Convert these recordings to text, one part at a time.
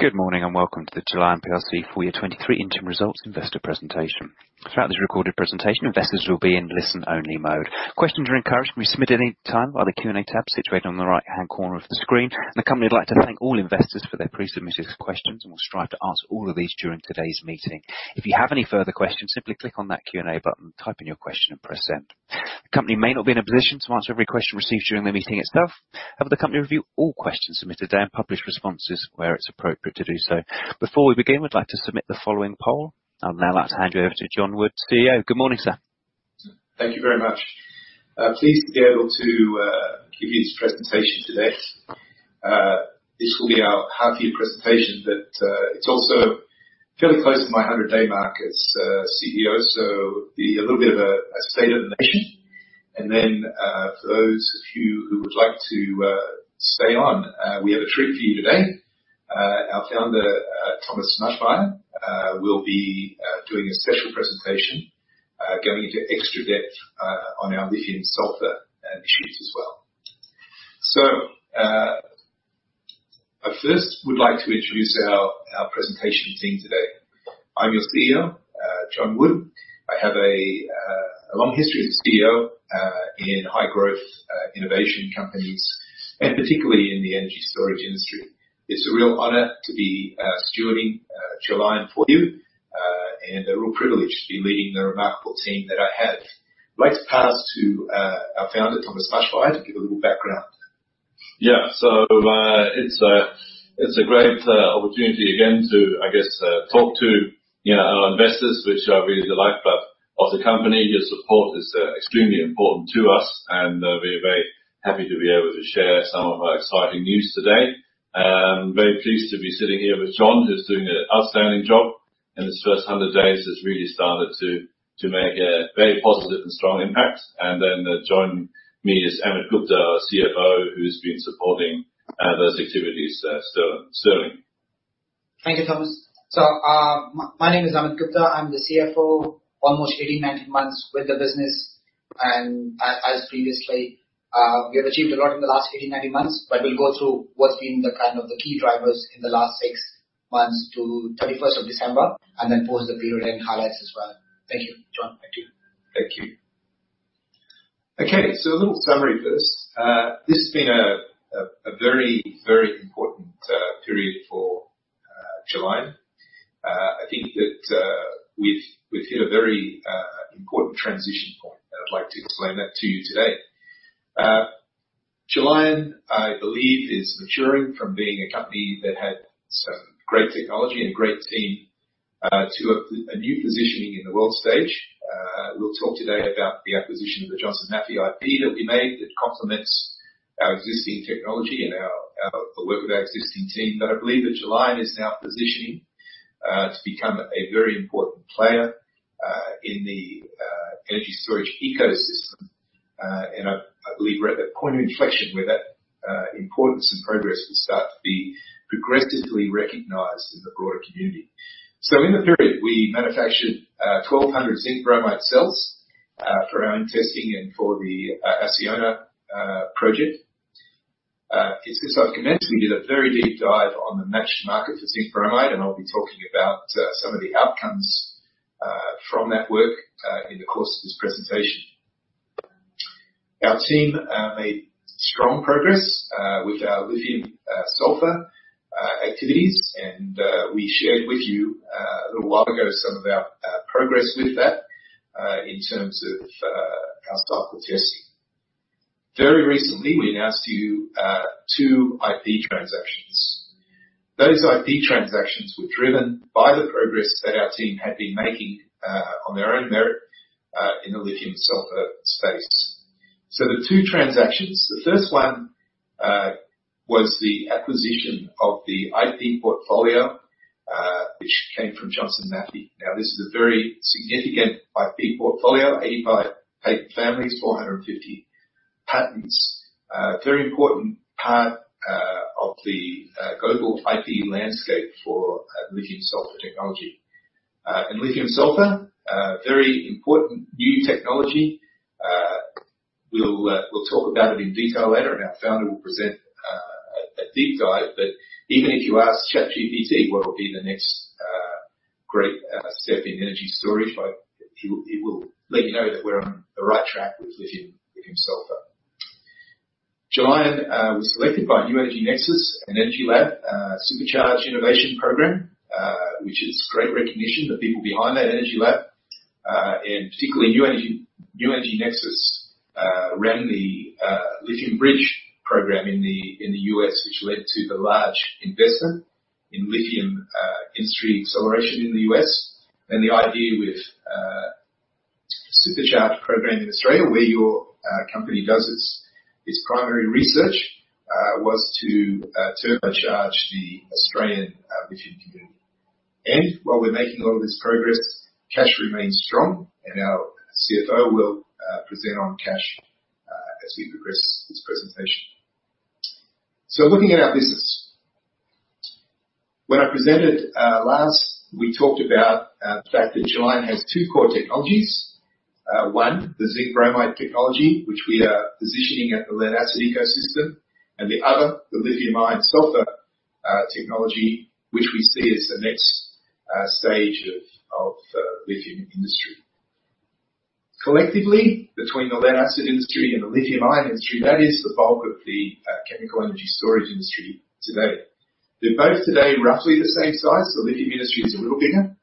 Good morning, and welcome to the Gelion plc full year 2023 interim results investor presentation. Throughout this recorded presentation, investors will be in listen-only mode. Questions are encouraged and can be submitted any time by the Q&A tab situated on the right-hand corner of the screen. The company would like to thank all investors for their pre-submitted questions, and we'll strive to answer all of these during today's meeting. If you have any further questions, simply click on that Q&A button, type in your question and press Send. The company may not be in a position to answer every question received during the meeting itself. However, the company will review all questions submitted today and publish responses where it's appropriate to do so. Before we begin, we'd like to submit the following poll. I'll now like to hand you over to John Wood, CEO. Good morning, sir. Thank you very much. Pleased to be able to give you this presentation today. This will be our half-year presentation, but it's also fairly close to my 100-day mark as CEO, so be a little bit of a state of the nation. For those of you who would like to stay on, we have a treat for you today. Our founder, Thomas Maschmeyer, will be doing a special presentation, going into extra depth on our lithium-sulfur initiatives as well. I first would like to introduce our presentation team today. I'm your CEO, John Wood. I have a long history as a CEO in high-growth innovation companies, and particularly in the energy storage industry. It's a real honor to be stewarding Gelion for you, and a real privilege to be leading the remarkable team that I have. I'd like to pass to our Founder, Thomas Maschmeyer, to give a little background. It's a great opportunity again to, I guess, talk to, you know, our investors, which are really the lifeblood of the company. Your support is extremely important to us, and we're very happy to be able to share some of our exciting news today. Very pleased to be sitting here with John, who's doing an outstanding job. In his first 100 days has really started to make a very positive and strong impact. Joining me is Amit Gupta, our CFO, who's been supporting those activities sterling. Thank you, Thomas. My name is Amit Gupta. I'm the CFO, almost 18, 19 months with the business. As previously, we have achieved a lot in the last 18, 19 months, but we'll go through what's been the kind of the key drivers in the last six months to 31st of December and then post the period end highlights as well. Thank you. John. Thank you. Thank you. A little summary first. This has been a very, very important period for Gelion. I think that we've hit a very important transition point, and I'd like to explain that to you today. Gelion, I believe, is maturing from being a company that had some great technology and great team, to a new positioning in the world stage. We'll talk today about the acquisition of the Johnson Matthey IP that we made that complements our existing technology and our, the work of our existing team. I believe that Gelion is now positioning to become a very important player in the energy storage ecosystem. And I believe we're at the point of inflection where that importance and progress will start to be progressively recognized in the broader community. In the period, we manufactured 1,200 zinc-bromide cells for our own testing and for the Acciona project. As I've commenced, we did a very deep dive on the matched market for zinc-bromide, and I'll be talking about some of the outcomes from that work in the course of this presentation. Our team made strong progress with our lithium-sulfur activities. We shared with you a little while ago some of our progress with that in terms of our cycle testing. Very recently we announced to you two IP transactions. Those IP transactions were driven by the progress that our team had been making on their own merit in the lithium-sulfur space. The two transactions, the first one, was the acquisition of the IP portfolio, which came from Johnson Matthey. This is a very significant IP portfolio, 85 patent families, 450 patents. Very important part of the global IP landscape for lithium-sulfur technology. Lithium-sulfur, a very important new technology. We'll talk about it in detail later and our founder will present a deep dive. Even if you ask ChatGPT what will be the next great step in energy storage, like, it will let you know that we're on the right track with lithium-sulfur. Gelion was selected by New Energy Nexus and EnergyLab, Supercharge Innovation Program, which is great recognition. The people behind that EnergyLab, and particularly New Energy Nexus, ran the Lithium Bridge Program in the U.S., which led to the large investment in lithium, industry acceleration in the U.S. The idea with Supercharge Program in Australia, where your company does its primary research, was to turbocharge the Australian lithium community. While we're making a lot of this progress, cash remains strong and our CFO will present on cash, as we progress this presentation. Looking at our business. When I presented last, we talked about the fact that Gelion has two core technologies. One, the zinc-bromide technology, which we are positioning at the lead acid ecosystem, and the other, the lithium-sulfur technology, which we see as the next stage of lithium industry. Collectively, between the lead acid industry and the lithium-ion industry, that is the bulk of the chemical energy storage industry today. They're both today roughly the same size. The lithium industry is a little bigger,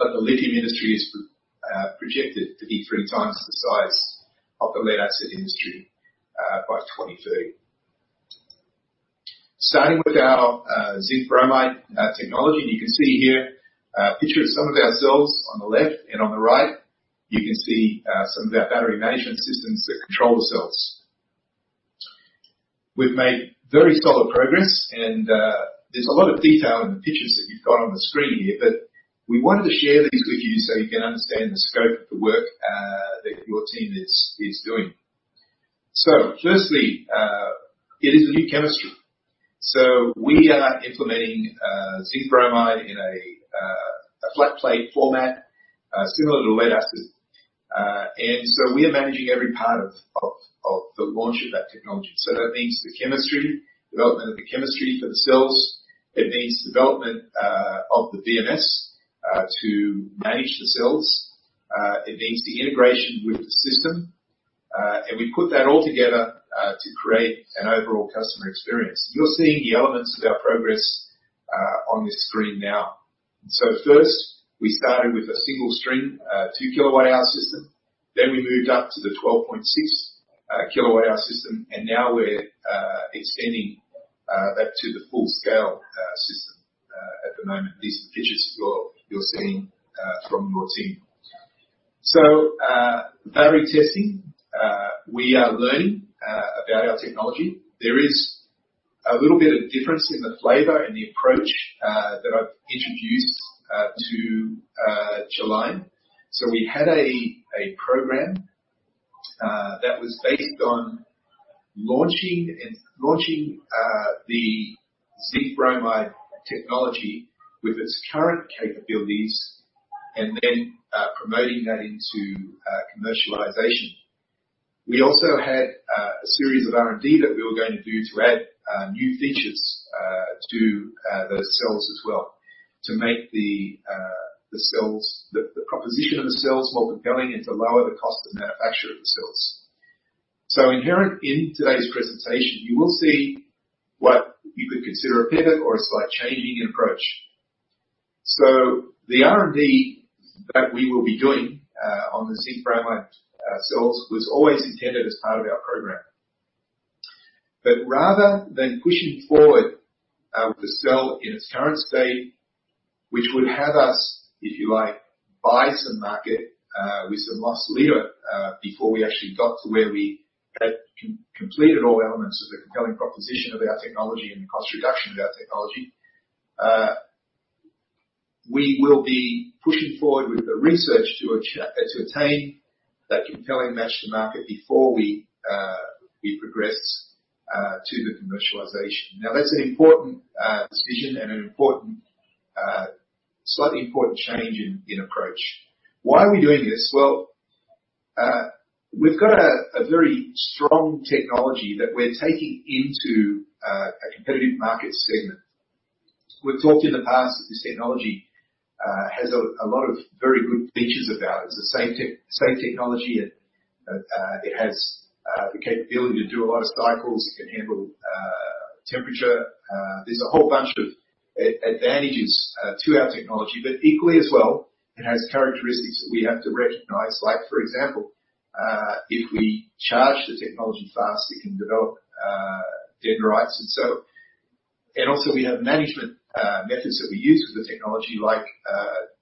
but the lithium industry is projected to be 3x the size of the lead acid industry by 2030. Starting with our zinc-bromide technology. You can see here a picture of some of our cells on the left and on the right, you can see some of our battery management systems that control the cells. We've made very solid progress. There's a lot of detail in the pictures that you've got on the screen here. We wanted to share these with you so you can understand the scope of the work that your team is doing. Firstly, it is new chemistry. We are implementing zinc-bromide in a flat plate format similar to lead acids. We are managing every part of the launch of that technology. That means the chemistry, development of the chemistry for the cells. It means development of the BMS to manage the cells. It means the integration with the system. We put that all together to create an overall customer experience. You're seeing the elements of our progress on this screen now. First, we started with a single string, 2 kWh system. We moved up to the 12.6 kWh system. Now we're extending that to the full-scale system. At the moment, these are the pictures you're seeing from your team. Battery testing, we are learning about our technology. There is a little bit of difference in the flavor and the approach that I've introduced to Gelion. We had a program that was based on launching the zinc-bromide technology with its current capabilities and then promoting that into commercialization. We also had a series of R&D that we were going to do to add new features to those cells as well, to make the cells, the proposition of the cells more compelling and to lower the cost of manufacture of the cells. Inherent in today's presentation, you will see what you could consider a pivot or a slight changing in approach. The R&D that we will be doing on the zinc-bromide cells was always intended as part of our program. Rather than pushing forward, the cell in its current state, which would have us, if you like, buy some market, with some loss leader, before we actually got to where we had completed all elements of the compelling proposition of our technology and the cost reduction of our technology, we will be pushing forward with the research to attain that compelling match to market before we progress to the commercialization. That's an important decision and an important, slightly important change in approach. Why are we doing this? Well, we've got a very strong technology that we're taking into a competitive market segment. We've talked in the past that this technology has a lot of very good features about it. It's the same technology. It, it has the capability to do a lot of cycles. It can handle temperature. There's a whole bunch of advantages to our technology, but equally as well, it has characteristics that we have to recognize. Like for example, if we charge the technology fast, it can develop dendrites and so. We have management methods that we use with the technology like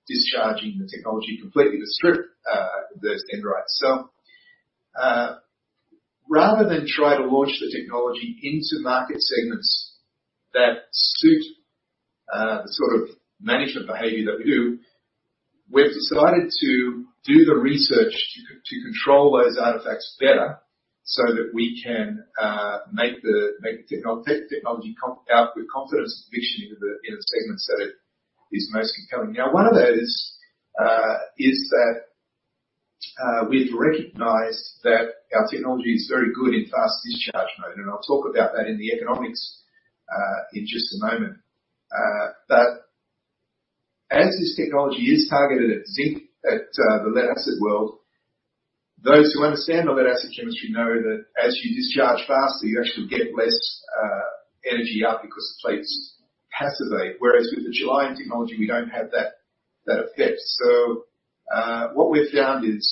discharging the technology completely to strip those dendrites. Rather than try to launch the technology into market segments that suit the sort of management behavior that we do, we've decided to do the research to control those artifacts better so that we can make the technology with confidence position into the segments that it is most compelling. One of those is that we've recognized that our technology is very good in fast discharge mode, and I'll talk about that in the economics in just a moment. As this technology is targeted at zinc, at the lead acid world, those who understand the lead acid chemistry know that as you discharge faster, you actually get less energy out because the plates passivate. Whereas with the Gelion technology, we don't have that effect. What we've found is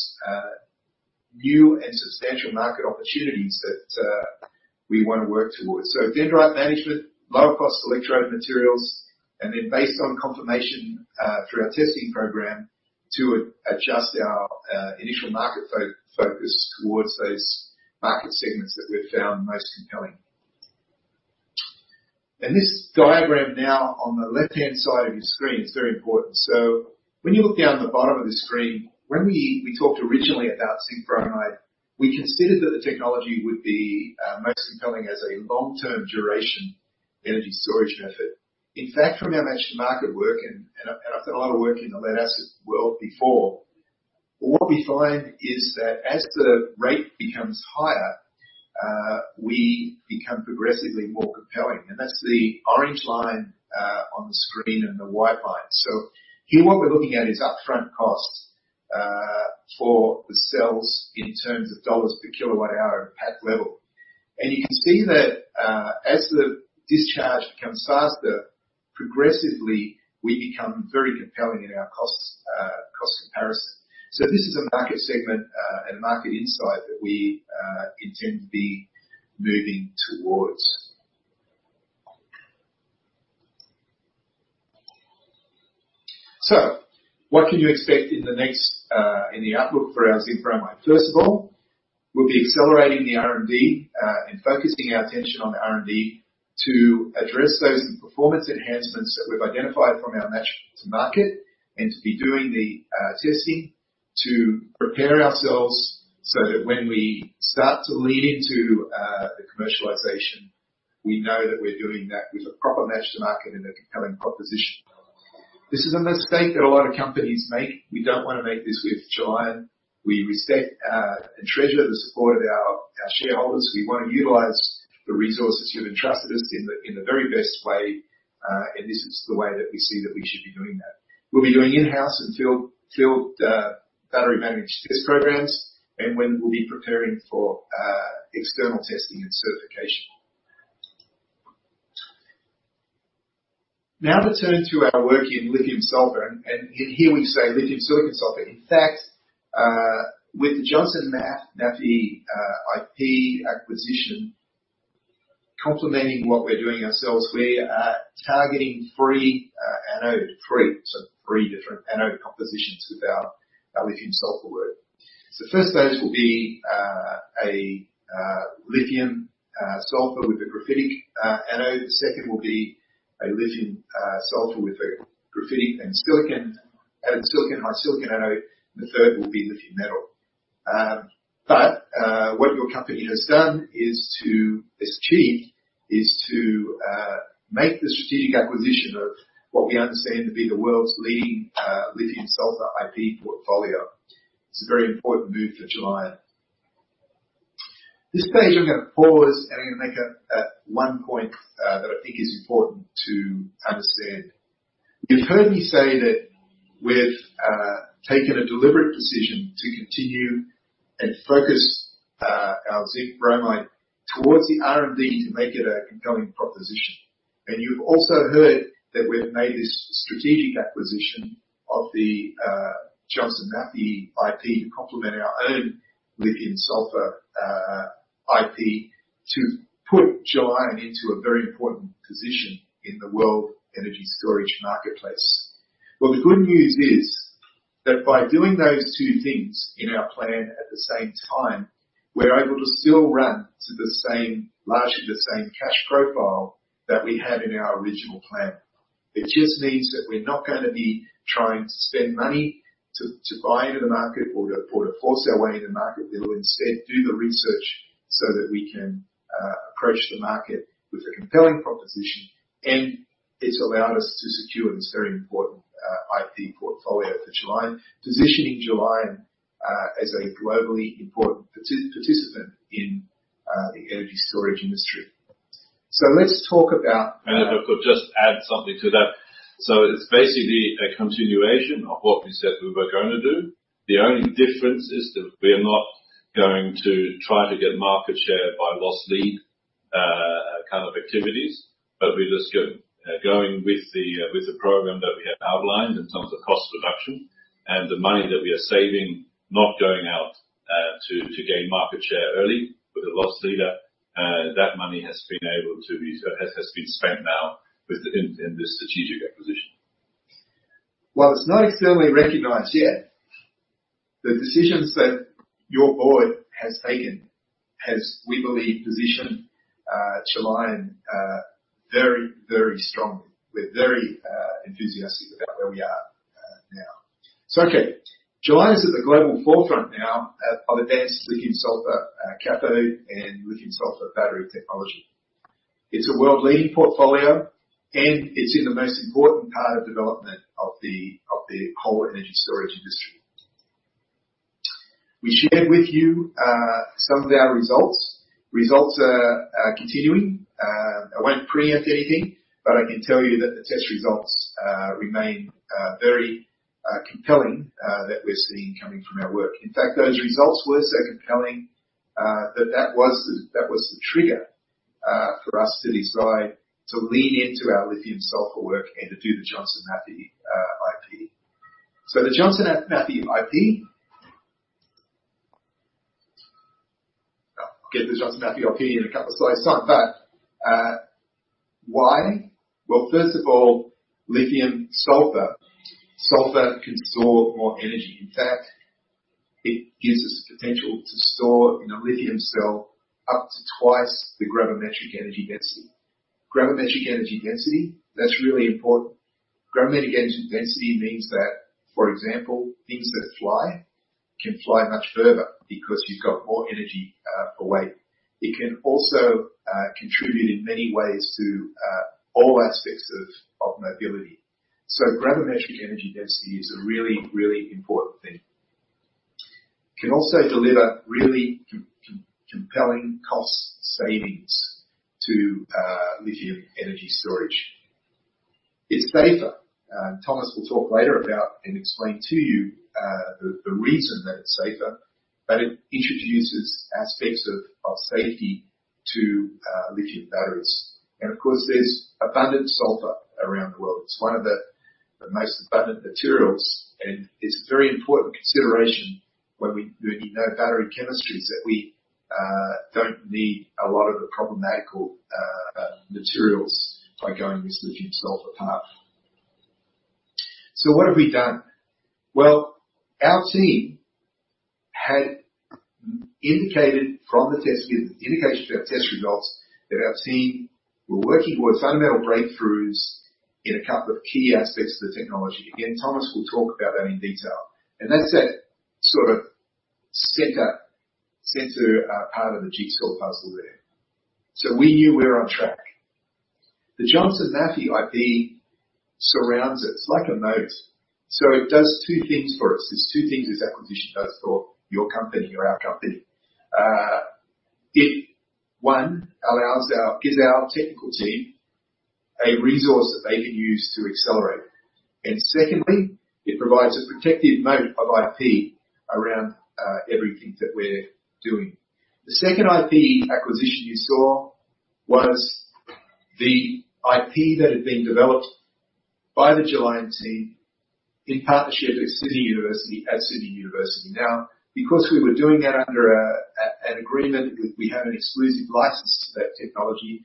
new and substantial market opportunities that we wanna work towards. Dendrite management, lower cost electrode materials, and then based on confirmation through our testing program to adjust our initial market focus towards those market segments that we've found most compelling. This diagram now on the left-hand side of your screen is very important. When you look down the bottom of the screen, when we talked originally about zinc-bromide, we considered that the technology would be most compelling as a long-term duration energy storage method. In fact, from our match to market work and I, and I've done a lot of work in the lead acid world before. What we find is that as the rate becomes higher, we become progressively more compelling, and that's the orange line on the screen and the white line. Here what we're looking at is upfront costs for the cells in terms of dollars per kilowatt hour at pack level. You can see that as the discharge becomes faster, progressively, we become very compelling in our costs, cost comparison. This is a market segment and market insight that we intend to be moving towards. What can you expect in the next, in the outlook for our zinc-bromide? First of all, we'll be accelerating the R&D and focusing our attention on the R&D to address those performance enhancements that we've identified from our match to market and to be doing the testing to prepare ourselves so that when we start to lean into the commercialization, we know that we're doing that with a proper match to market and a compelling proposition. This is a mistake that a lot of companies make. We don't wanna make this with Gelion. We respect and treasure the support of our shareholders. We wanna utilize the resources you've entrusted us in the very best way, and this is the way that we see that we should be doing that. We'll be doing in-house and field battery managed stress programs, and when we'll be preparing for external testing and certification. Now to turn to our work in lithium-sulfur. Here we say lithium silicon sulfur. In fact, with the Johnson Matthey IP acquisition complementing what we're doing ourselves, we are targeting three anode. Three different anode compositions with our lithium-sulfur work. First stage will be a lithium-sulfur with a graphitic anode. The second will be a lithium-sulfur with a graphitic and silicon hard anode. The third will be lithium metal. What your company has done is to achieve to make the strategic acquisition of what we understand to be the world's leading lithium-sulfur IP portfolio. It's a very important move for Gelion. This page, I'm gonna pause, and I'm gonna make a one point that I think is important to understand. You've heard me say that we've taken a deliberate decision to continue and focus our zinc-bromide towards the R&D to make it a compelling proposition. You've also heard that we've made this strategic acquisition of the Johnson Matthey IP to complement our own lithium-sulfur IP to put Gelion into a very important position in the world energy storage marketplace. The good news is that by doing those two things in our plan at the same time, we're able to still run to the same, largely the same cash profile that we had in our original plan. It just means that we're not gonna be trying to spend money to buy into the market or to, or to force our way into market. We will instead do the research so that we can approach the market with a compelling proposition, and it's allowed us to secure this very important IP portfolio for Gelion. Positioning Gelion as a globally important participant in the energy storage industry. So let's talk about- If I could just add something to that. It's basically a continuation of what we said we were gonna do. The only difference is that we are not going to try to get market share by loss-lead kind of activities, but we're just going with the program that we have outlined in terms of cost reduction and the money that we are saving not going out, to gain market share early with a loss leader. That money has been able to be spent now with this strategic acquisition. While it's not externally recognized yet, the decisions that your board has taken has, we believe, positioned Gelion very, very strongly. We're very enthusiastic about where we are now. Okay. Gelion is at the global forefront now of advanced lithium-sulfur cathode and lithium-sulfur battery technology. It's a world-leading portfolio, and it's in the most important part of development of the whole energy storage industry. We shared with you some of our results. Results are continuing. I won't preempt anything, but I can tell you that the test results remain very compelling that we're seeing coming from our work. In fact, those results were so compelling that that was the, that was the trigger for us to decide to lean into our lithium-sulfur work and to do the Johnson Matthey IP. Get to the Johnson Matthey IP in a couple slides time. Why? Well, first of all, lithium-sulfur. Sulfur can store more energy. In fact, it gives us the potential to store in a lithium cell up to twice the gravimetric energy density. Gravimetric energy density. That's really important. Gravimetric energy density means that, for example, things that fly can fly much further because you've got more energy for weight. It can also contribute in many ways to all aspects of mobility. Gravimetric energy density is a really important thing. Can also deliver really compelling cost savings to lithium energy storage. It's safer. Thomas will talk later about and explain to you the reason that it's safer, but it introduces aspects of safety to lithium batteries. Of course, there's abundant sulfur around the world. It's one of the most abundant materials, and it's a very important consideration when we're looking at battery chemistries that we don't need a lot of the problematical materials by going this lithium-sulfur path. What have we done? Our team had indicated from the test results, indication from test results that our team were working towards fundamental breakthroughs in a couple of key aspects of the technology. Again, Thomas will talk about that in detail. That's that sort of center part of the jigsaw puzzle there. We knew we're on track. The Johnson Matthey IP surrounds us. It's like a moat. It does two things for us. There's two things this acquisition does for your company or our company. It, one, gives our technical team a resource that they can use to accelerate. Secondly, it provides a protective moat of IP around everything that we're doing. The second IP acquisition you saw was the IP that had been developed by the Gelion team in partnership with Sydney University at Sydney University. Because we were doing that under an agreement, we have an exclusive license to that technology.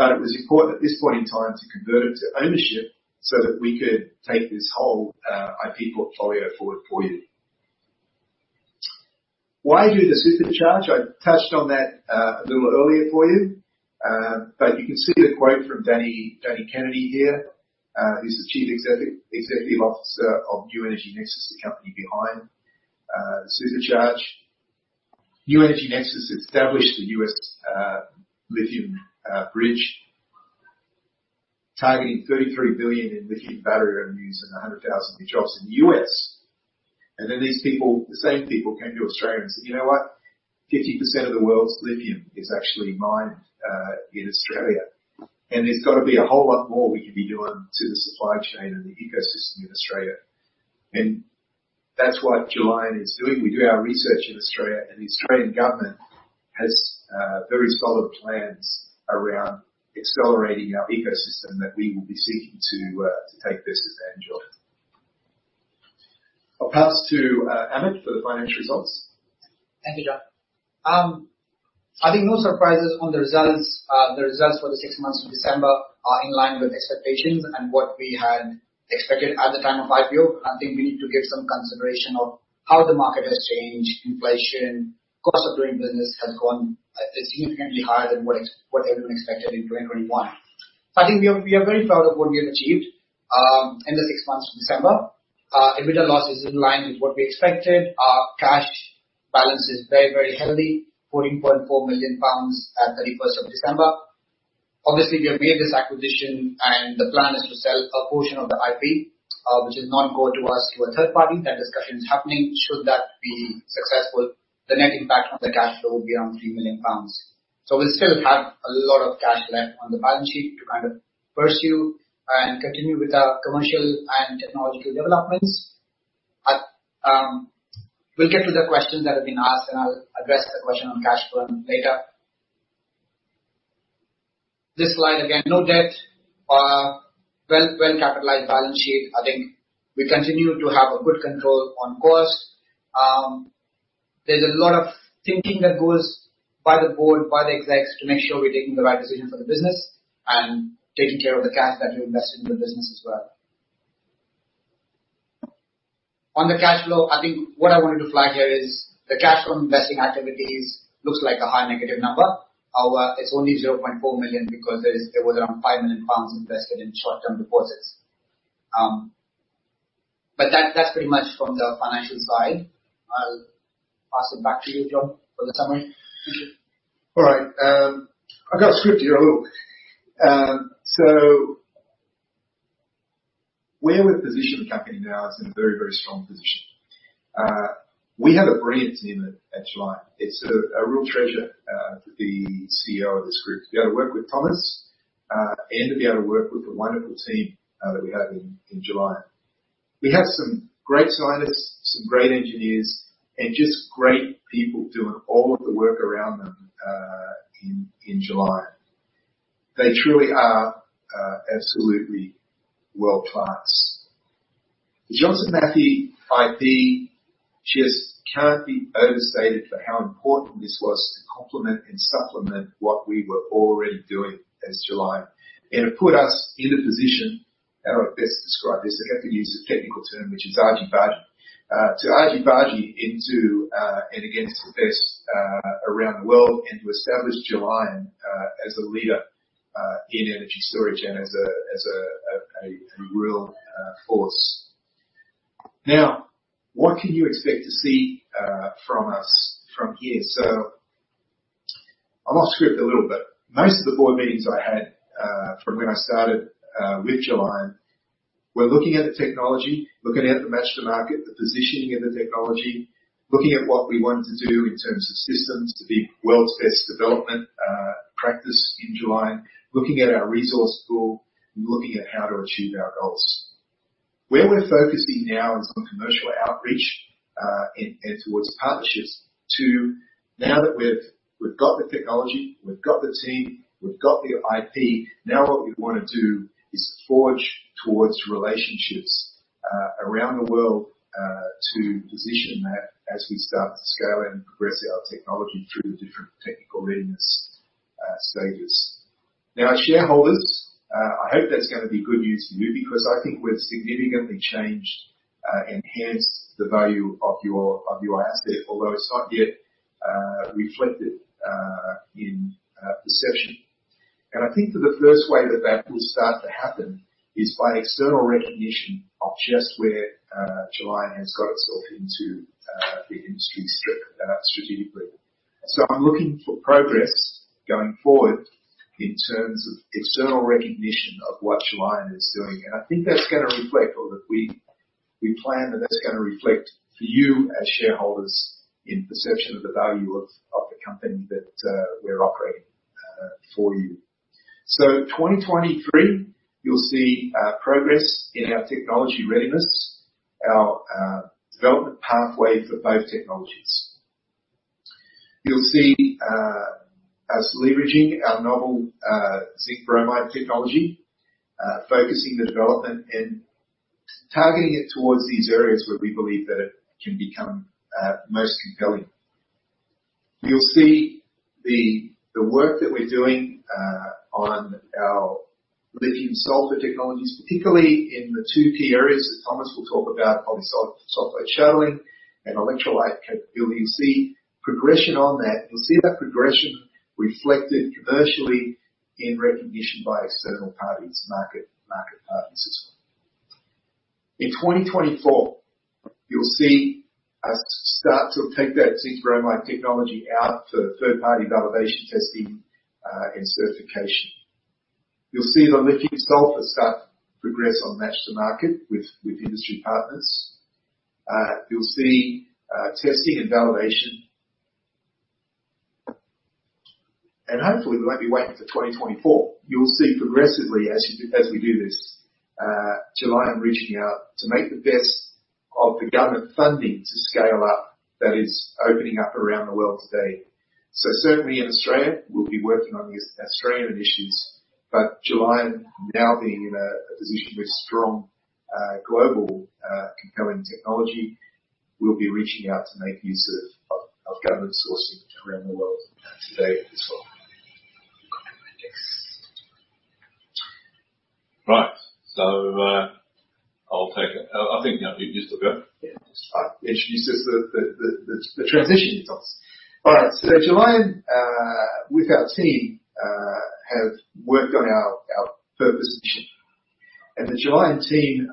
It was important at this point in time to convert it to ownership so that we could take this whole IP portfolio forward for you. Why do the Supercharge? I touched on that a little earlier for you. But you can see the quote from Danny Kennedy here, who's the Chief Executive Officer of New Energy Nexus, the company behind the Supercharge. New Energy Nexus established the U.S. Lithium Bridge, targeting $33 billion in lithium battery revenues and 100,000 new jobs in the U.S. These people, the same people, came to Australia and said, "You know what? 50% of the world's lithium is actually mined in Australia, and there's gotta be a whole lot more we could be doing to the supply chain and the ecosystem in Australia." That's what Gelion is doing. We do our research in Australia, and the Australian government has very solid plans around accelerating our ecosystem that we will be seeking to take best advantage of. I'll pass to Amit for the financial results. Thank you, John. I think no surprises on the results. The results for the six months to December are in line with expectations and what we had expected at the time of IPO. I think we need to give some consideration of how the market has changed, inflation, cost of doing business has gone significantly higher than what everyone expected in 2021. I think we are very proud of what we have achieved in the six months to December. EBITDA loss is in line with what we expected. Our cash balance is very, very healthy, 14.4 million pounds at 31st of December. Obviously, we have made this acquisition. The plan is to sell a portion of the IP which is not core to us to a third party. That discussion is happening. Should that be successful, the net impact on the cash flow will be around 3 million pounds. We'll still have a lot of cash left on the balance sheet to kind of pursue and continue with our commercial and technological developments. We'll get to the questions that have been asked, and I'll address the question on cash flow later. This slide, again, no debt. Well, well-capitalized balance sheet. I think we continue to have a good control on costs. There's a lot of thinking that goes by the board, by the execs to make sure we're taking the right decision for the business and taking care of the cash that we invest into the business as well. On the cash flow, I think what I wanted to flag here is the cash from investing activities looks like a high negative number. It's only 0.4 million because there is, there was around 5 million pounds invested in short-term deposits. That's pretty much from the financial side. I'll pass it back to you, John, for the summary. All right. I've got a script here. I'll look. Where we're positioned, the company now is in a very, very strong position. We have a brilliant team at Gelion. It's a real treasure to be CEO of this group, to be able to work with Thomas, and to be able to work with the wonderful team that we have in Gelion. We have some great scientists, some great engineers, and just great people doing all of the work around them, in Gelion. They truly are absolutely world-class. The Johnson Matthey IP just cannot be overstated for how important this was to complement and supplement what we were already doing as Gelion. It put us in a position, how do I best describe this? I have to use a technical term, which is energy arbitrage. to argy-bargy into, and against the best, around the world and to establish Gelion, as a leader, in energy storage and as a real force. What can you expect to see, from us from here? I'm off script a little bit. Most of the board meetings I had, from when I started, with Gelion, we're looking at the technology, looking at the match to market, the positioning of the technology, looking at what we wanted to do in terms of systems to be world's best development, practice in Gelion, looking at our resource pool and looking at how to achieve our goals. Where we're focusing now is on commercial outreach, and towards partnerships to, now that we've got the technology, we've got the team, we've got the IP. What we wanna do is forge towards relationships around the world to position that as we start to scale and progress our technology through the different technical readiness stages. Shareholders, I hope that's gonna be good news for you because I think we've significantly changed, enhanced the value of your, of your asset, although it's not yet reflected in perception. I think that the first way that that will start to happen is by external recognition of just where Gelion has got itself into the industry strategically. I'm looking for progress going forward in terms of external recognition of what Gelion is doing. I think that's gonna reflect or that we plan that that's gonna reflect for you as shareholders in perception of the value of the company that we're operating for you. 2023, you'll see progress in our technology readiness, our development pathway for both technologies. You'll see us leveraging our novel zinc-bromide technology, focusing the development and targeting it towards these areas where we believe that it can become most compelling. You'll see the work that we're doing on our lithium-sulfur technologies, particularly in the two key areas that Thomas will talk about, polysulfide shuttling and electrolyte capability. You'll see progression on that. You'll see that progression reflected commercially in recognition by external parties, market parties as well. In 2024, you'll see us start to take that zinc-bromide technology out for third-party validation testing and certification. You'll see the lithium-sulfur start to progress on match to market with industry partners. You'll see testing and validation. Hopefully, we won't be waiting for 2024. You'll see progressively as we do this, Gelion reaching out to make the best of the government funding to scale up that is opening up around the world today. Certainly, in Australia, we'll be working on the Australian initiatives, but Gelion now being in a position with strong global compelling technology, we'll be reaching out to make use of government sourcing around the world today as well. Right. I'll take it. I think, yeah, you still go. Yeah. I'll introduce the transition you taught. All right. Gelion with our team have worked on our purpose mission. The Gelion team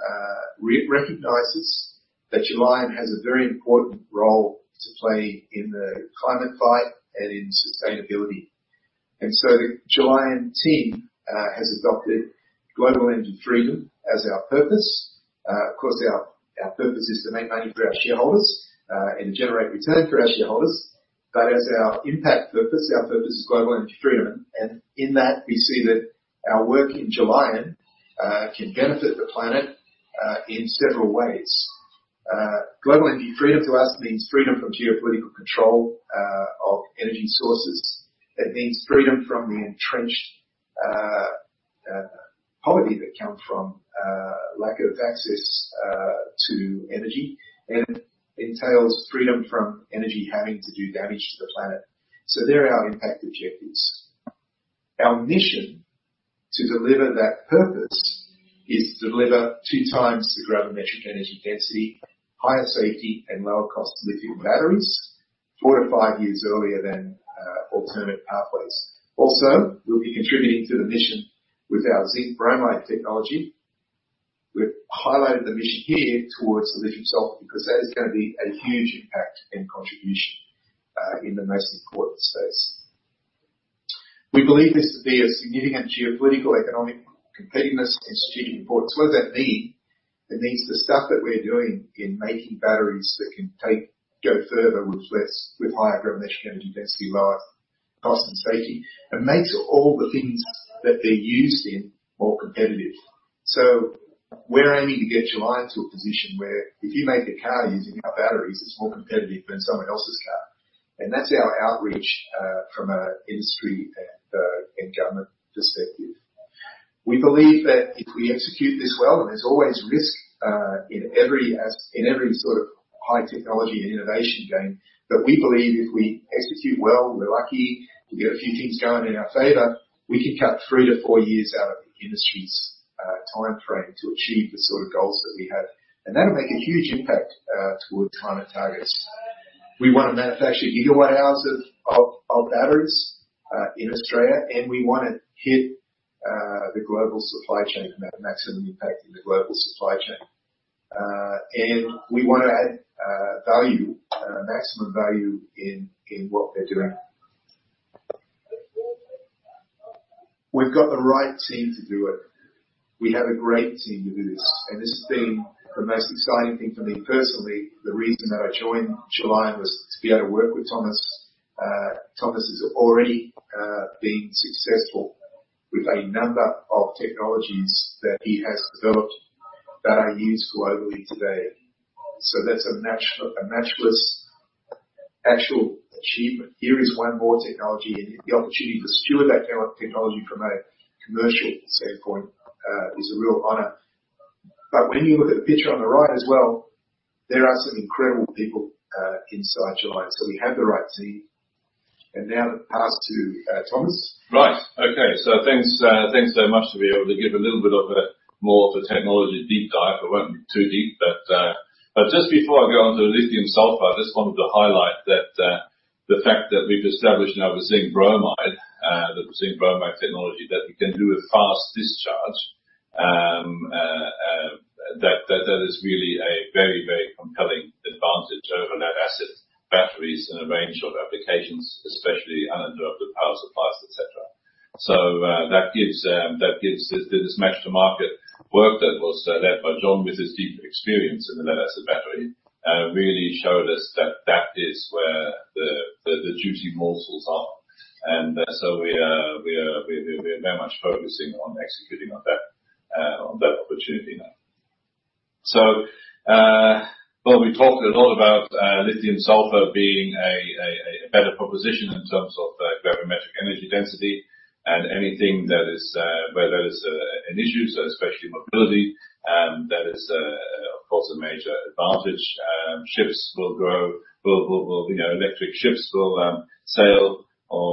recognizes that Gelion has a very important role to play in the climate fight and in sustainability. The Gelion team has adopted global energy freedom as our purpose. Of course, our purpose is to make money for our shareholders and generate return for our shareholders. As our impact purpose, our purpose is global energy freedom, and in that we see that our work in Gelion can benefit the planet in several ways. Global energy freedom to us means freedom from geopolitical control of energy sources. It means freedom from the entrenched poverty that come from lack of access to energy and entails freedom from energy having to do damage to the planet. They're our impact objectives. Our mission to deliver that purpose is to deliver 2x the gravimetric energy density, higher safety and lower cost lithium batteries four to five years earlier than alternate pathways. We'll be contributing to the mission with our zinc-bromide technology. We've highlighted the mission here towards lithium-sulfur because that is gonna be a huge impact and contribution in the most important space. We believe this to be a significant geopolitical, economic competitiveness and strategic importance. What does that mean? It means the stuff that we're doing in making batteries that can take, go further with less, with higher gravimetric energy density, lower cost and safety, it makes all the things that they're used in more competitive. We're aiming to get Gelion to a position where if you make a car using our batteries, it's more competitive than someone else's car. That's our outreach from a industry and government perspective. We believe that if we execute this well, and there's always risk, in every sort of high technology and innovation game, but we believe if we execute well, we're lucky, we get a few things going in our favor, we could cut three to four years out of the industry's timeframe to achieve the sort of goals that we have. That'll make a huge impact toward climate targets. We wanna manufacture gigawatt hours of batteries in Australia, and we wanna hit the global supply chain, maximum impact in the global supply chain. We wanna add value, maximum value in what we're doing. We've got the right team to do it. We have a great team to do this, and this has been the most exciting thing for me personally. The reason that I joined Gelion was to be able to work with Thomas. Thomas has already been successful with a number of technologies that he has developed that are used globally today. That's a matchless actual achievement. Here is one more technology, and the opportunity to steward that technology from a commercial standpoint is a real honor. When you look at the picture on the right as well, there are some incredible people inside Gelion. We have the right team. Now to pass to Thomas. Right. Okay. Thanks, thanks so much. To be able to give a little bit of a more of a technology deep dive. I won't be too deep, but just before I go on to lithium-sulfur, I just wanted to highlight that the fact that we've established now with zinc-bromide, the zinc-bromide technology, that we can do a fast discharge, that is really a very, very compelling advantage over lead-acid batteries in a range of applications, especially uninterrupted power supplies, et cetera. That gives this match to market work that was led by John with his deep experience in the lead-acid battery, really showed us that that is where the duty cycles are. We are very much focusing on executing on that opportunity now. Well, we talked a lot about lithium-sulfur being a better proposition in terms of gravimetric energy density and anything that is where there's an issue, so especially mobility, that is, of course, a major advantage. Ships will grow, you know, electric ships will sail or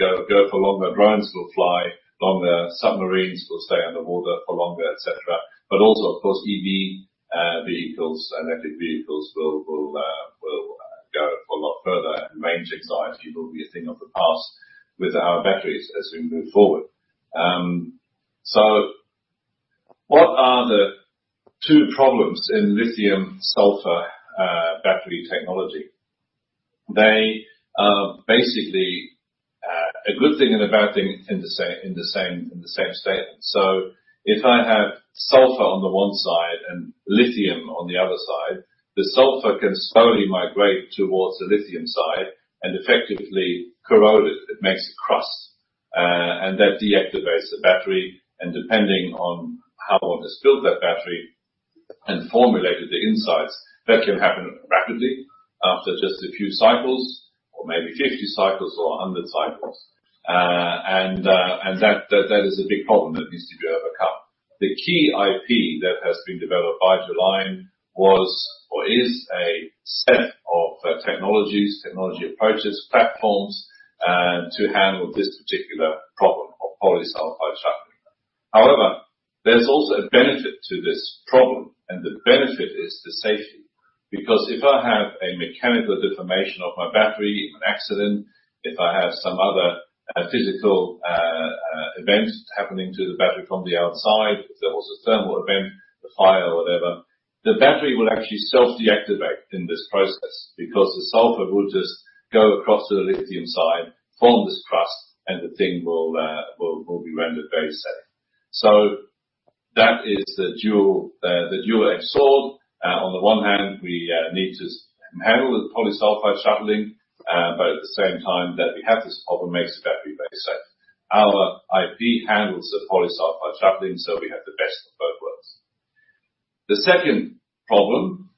go for longer, drones will fly longer, submarines will stay underwater for longer, et cetera. Also, of course, EV vehicles and electric vehicles will go for a lot further. Range anxiety will be a thing of the past with our batteries as we move forward. What are the two problems in lithium-sulfur battery technology? They basically a good thing and a bad thing in the same statement. If I have sulfur on the one side and lithium on the other side, the sulfur can slowly migrate towards the lithium side and effectively corrode it. It makes a crust, and that deactivates the battery, and depending on how one has built that battery and formulated the insides, that can happen rapidly after just a few cycles or maybe 50 cycles or 100 cycles. That is a big problem that needs to be overcome. The key IP that has been developed by Gelion was or is a set of technologies, technology approaches, platforms, to handle this particular problem of polysulfide shuttling. However, there's also a benefit to this problem, and the benefit is the safety. Because if I have a mechanical deformation of my battery in an accident, if I have some other physical event happening to the battery from the outside, if there was a thermal event, a fire or whatever, the battery will actually self-deactivate in this process because the sulfur will just go across to the lithium side, form this crust, and the thing will be rendered very safe. That is the dual, the dual-edged sword. On the one hand we need to handle the polysulfide shuttling, but at the same time that we have this problem makes the battery very safe. Our IP handles the polysulfide shuttling, so we have the best of both worlds. The second problem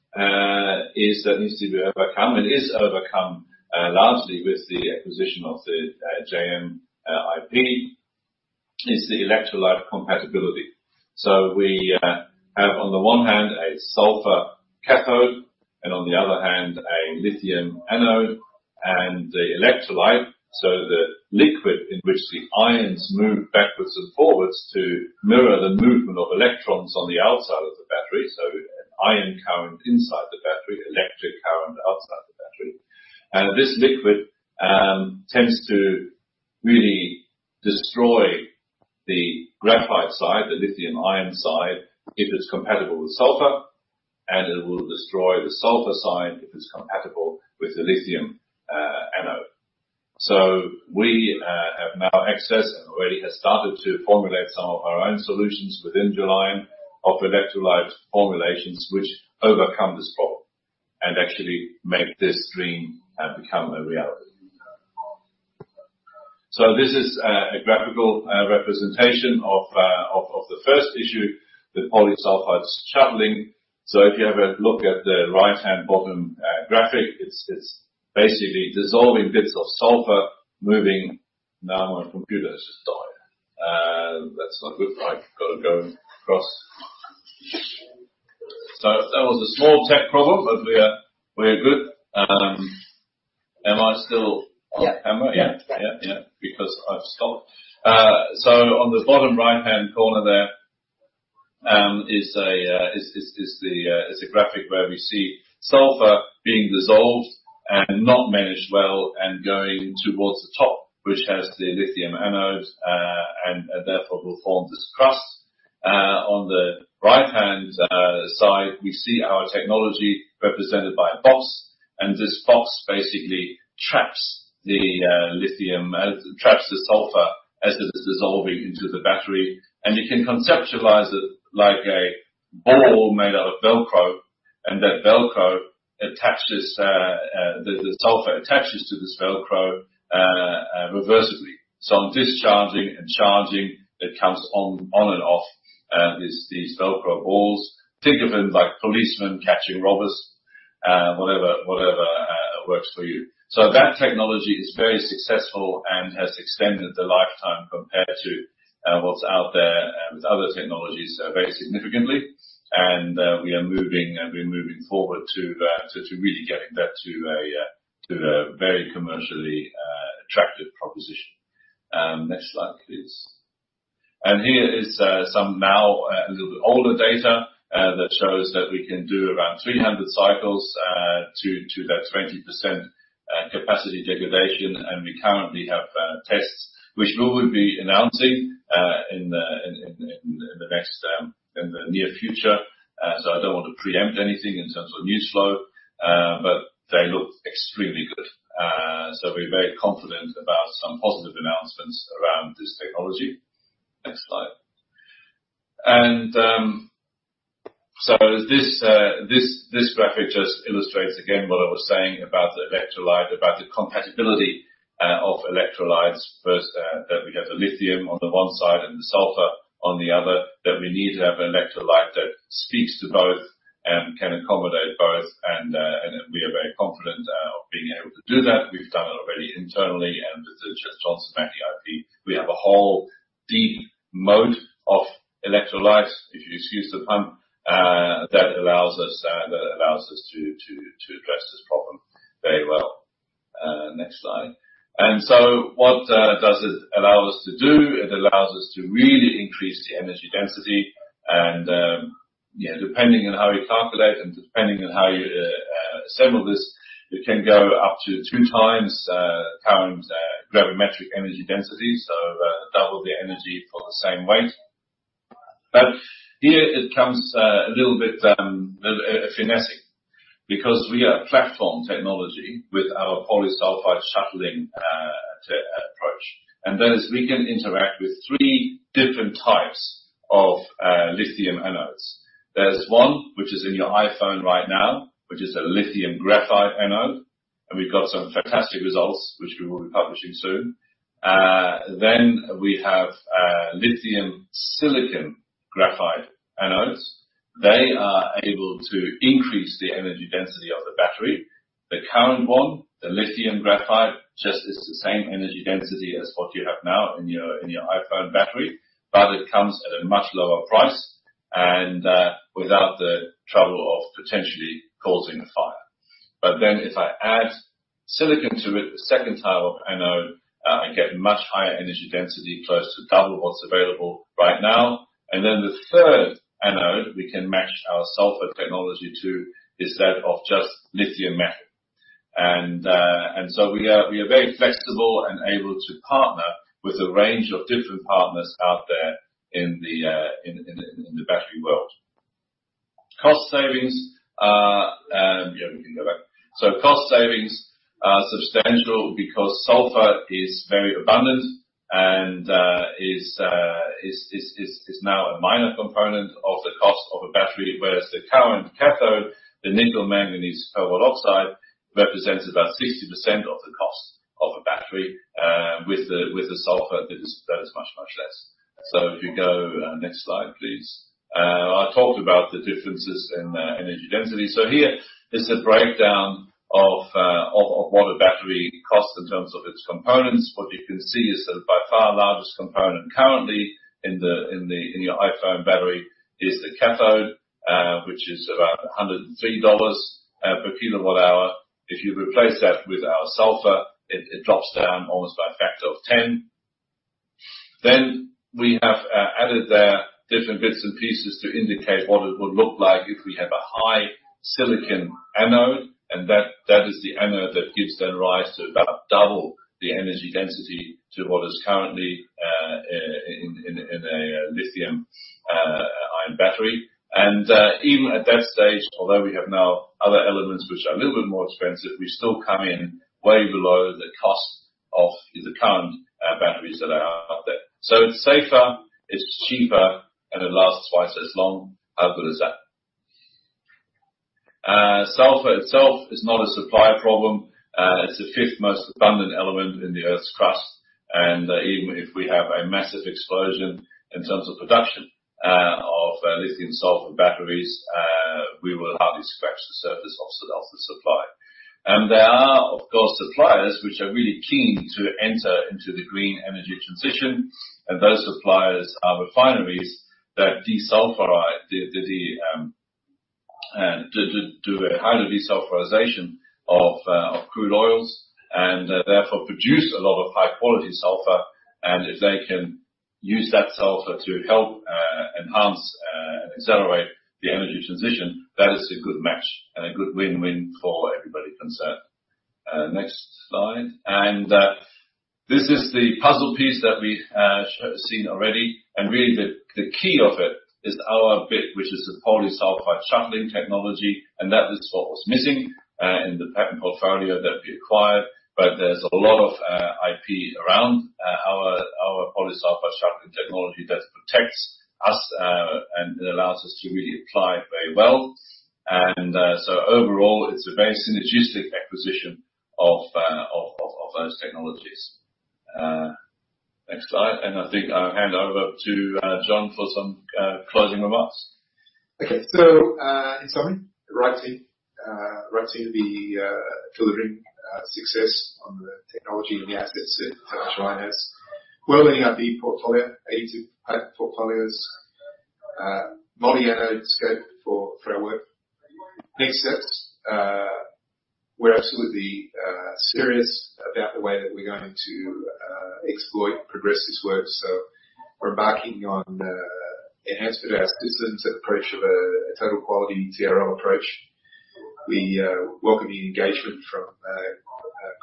is that needs to be overcome and is overcome largely with the acquisition of the JM IP, is the electrolyte compatibility. We have on the one hand a sulfur cathode and on the other hand a lithium anode and the electrolyte. The liquid in which the ions move backwards and forwards to mirror the movement of electrons on the outside of the battery. An ion current inside the battery, electric current outside the battery. This liquid tends to really destroy the graphite side, the lithium-ion side, if it's compatible with sulfur, and it will destroy the sulfur side if it's compatible with the lithium anode. We have now access and already have started to formulate some of our own solutions within Gelion of electrolyte formulations which overcome this problem and actually make this dream become a reality. This is a graphical representation of the first issue, the polysulfide shuttling. If you have a look at the right-hand bottom graphic, it's basically dissolving bits of sulfur moving. Now my computer's just died. That's not good. I've gotta go across. That was a small tech problem, but we're good. Am I still on camera? Yeah. Yeah. Yeah, yeah. I've stopped. On the bottom right-hand corner there, is the graphic where we see sulfur being dissolved and not managed well and going towards the top, which has the lithium anode, and therefore will form this crust. On the right-hand side, we see our technology represented by a box, and this box basically traps the lithium as it traps the sulfur as it is dissolving into the battery. You can conceptualize it like a ball made out of Velcro, and that Velcro attaches... the sulfur attaches to this Velcro reversibly. On discharging and charging, it comes on and off these Velcro balls. Think of them like policemen catching robbers, whatever works for you. That technology is very successful and has extended the lifetime compared to what's out there with other technologies very significantly. We are moving, we're moving forward to really getting that to a very commercially attractive proposition. Next slide, please. Here is some now a little bit older data that shows that we can do around 300 cycles to that 20% capacity degradation. We currently have tests which we will be announcing in the next in the near future. I don't want to preempt anything in terms of news flow, but they look extremely good. We're very confident about some positive announcements around this technology. Next slide. So this graphic just illustrates again what I was saying about the electrolyte, about the compatibility of electrolytes. First, that we have the lithium on the one side and the sulfur on the other, that we need to have an electrolyte that speaks to both and can accommodate both. We are very confident of being able to do that. We've done it already internally, and this is just Johnson Matthey IP. We have a whole deep moat of electrolytes, if you excuse the pun, that allows us to address this problem very well. Next slide. What does it allow us to do? It allows us to really increase the energy density and, you know, depending on how you calculate and depending on how you assemble this, it can go up to two times, current, gravimetric energy density, so, double the energy for the same weight. Here it comes, a little bit, finessing, because we are a platform technology with our polysulfide shuttling, approach. That is, we can interact with three different types of, lithium anodes. There's one which is in your iPhone right now, which is a lithium graphite anode, and we've got some fantastic results which we will be publishing soon. We have lithium silicon graphite anodes. They are able to increase the energy density of the battery. The current one, the lithium graphite, just is the same energy density as what you have now in your iPhone battery, it comes at a much lower price and without the trouble of potentially causing a fire. If I add silicon to it, the second type of anode, I get much higher energy density, close to double what's available right now. The third anode we can match our sulfur technology to is that of just lithium metal. We are very flexible and able to partner with a range of different partners out there in the battery world. Cost savings are. Yeah, we can go back. Cost savings are substantial because sulfur is very abundant and is now a minor component of the cost of a battery, whereas the current cathode, the nickel manganese cobalt oxide, represents about 60% of the cost of a battery. With the sulfur, that is much less. If you go next slide, please. I talked about the differences in energy density. Here is a breakdown of what a battery costs in terms of its components. What you can see is that by far largest component currently in your iPhone battery is the cathode, which is about $103 per kilowatt hour. If you replace that with our sulfur, it drops down almost by a factor of 10. We have added the different bits and pieces to indicate what it would look like if we have a high silicon anode. That is the anode that gives rise to about double the energy density to what is currently in a lithium-ion battery. Even at that stage, although we have now other elements which are a little bit more expensive, we still come in way below the cost of the current batteries that are out there. It's safer, it's cheaper, and it lasts twice as long. How good is that? Sulfur itself is not a supply problem. It's the fifth most abundant element in the Earth's crust. Even if we have a massive explosion in terms of production of lithium-sulfur batteries, we will hardly scratch the surface of the supply. There are, of course, suppliers which are really keen to enter into the green energy transition. Those suppliers are refineries that do a highly desulphurization of crude oils and therefore produce a lot of high-quality sulfur. If they can use that sulfur to help enhance and accelerate the energy transition, that is a good match and a good win-win for everybody concerned. Next slide. This is the puzzle piece that we have seen already. Really the key of it is our bit, which is the polysulfide shuttling technology, and that is what was missing in the patent portfolio that we acquired. There's a lot of IP around our polysulfide shuttling technology that protects us, and it allows us to really apply very well. So overall it's a very synergistic acquisition of those technologies. Next slide. I think I'll hand over to John for some closing remarks. Okay. In summary, right team, the delivering success on the technology and the assets that Gelion has. Growing IP portfolio. Eight portfolios. Multi-year scope for further work. Next steps, we're absolutely serious about the way that we're going to exploit progress this work, so we're embarking on enhancement of our systems and approach of a total quality TRL approach. We welcome the engagement from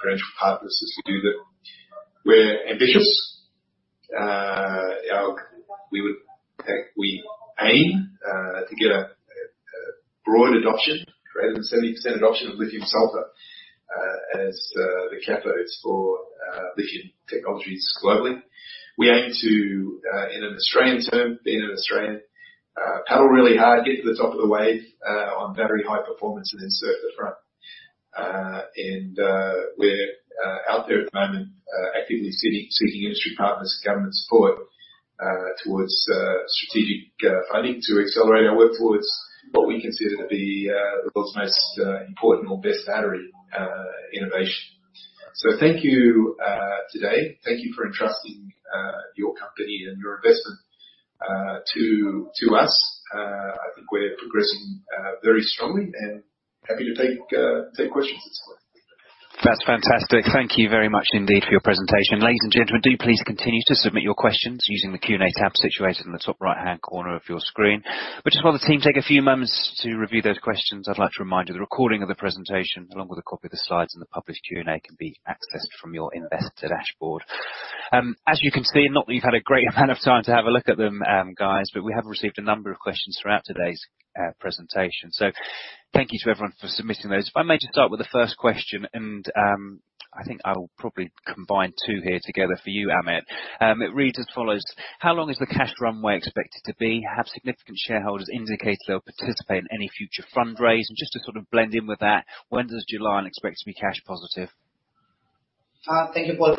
potential partners as we do that. We're ambitious. We aim to get a broad adoption, greater than 70% adoption of lithium-sulfur, as the cathodes for lithium technologies globally. We aim to, in an Australian term, being an Australian, paddle really hard, get to the top of the wave, on battery high performance and then surf the front. We're out there at the moment, actively seeking industry partners, government support, towards strategic funding to accelerate our work towards what we consider to be the world's most important or best battery innovation. Thank you today. Thank you for entrusting your company and your investment to us. I think we're progressing very strongly and happy to take questions at this point. That's fantastic. Thank you very much indeed for your presentation. Ladies and gentlemen, do please continue to submit your questions using the Q&A tab situated in the top right-hand corner of your screen. Just while the team take a few moments to review those questions, I'd like to remind you the recording of the presentation along with a copy of the slides and the published Q&A can be accessed from your investor dashboard. As you can see, not that you've had a great amount of time to have a look at them, guys, but we have received a number of questions throughout today's presentation, so thank you to everyone for submitting those. If I may just start with the first question and, I think I will probably combine two here together for you, Amit. It reads as follows: How long is the cash runway expected to be? Have significant shareholders indicated they'll participate in any future fundraise? Just to sort of blend in with that, when does Gelion expect to be cash positive? Thank you, Paul.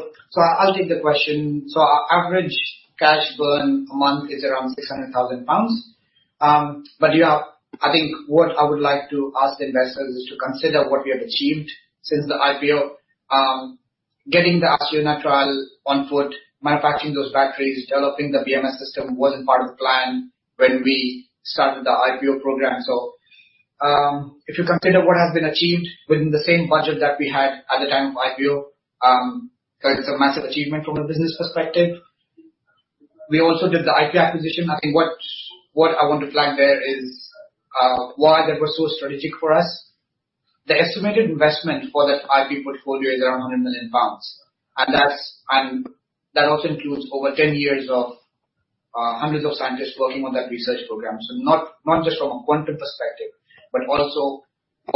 I'll take the question. Our average cash burn a month is around 600,000 pounds. Yeah, I think what I would like to ask the investors is to consider what we have achieved since the IPO. Getting the Acciona trial on foot, manufacturing those batteries, developing the BMS system wasn't part of the plan when we started the IPO program. If you consider what has been achieved within the same budget that we had at the time of IPO, that is a massive achievement from a business perspective. We also did the IP acquisition. I think what I want to flag there is why that was so strategic for us. The estimated investment for that IP portfolio is around 100 million pounds. That's. That also includes over 10 years of hundreds of scientists working on that research program. Not just from a quantum perspective, but also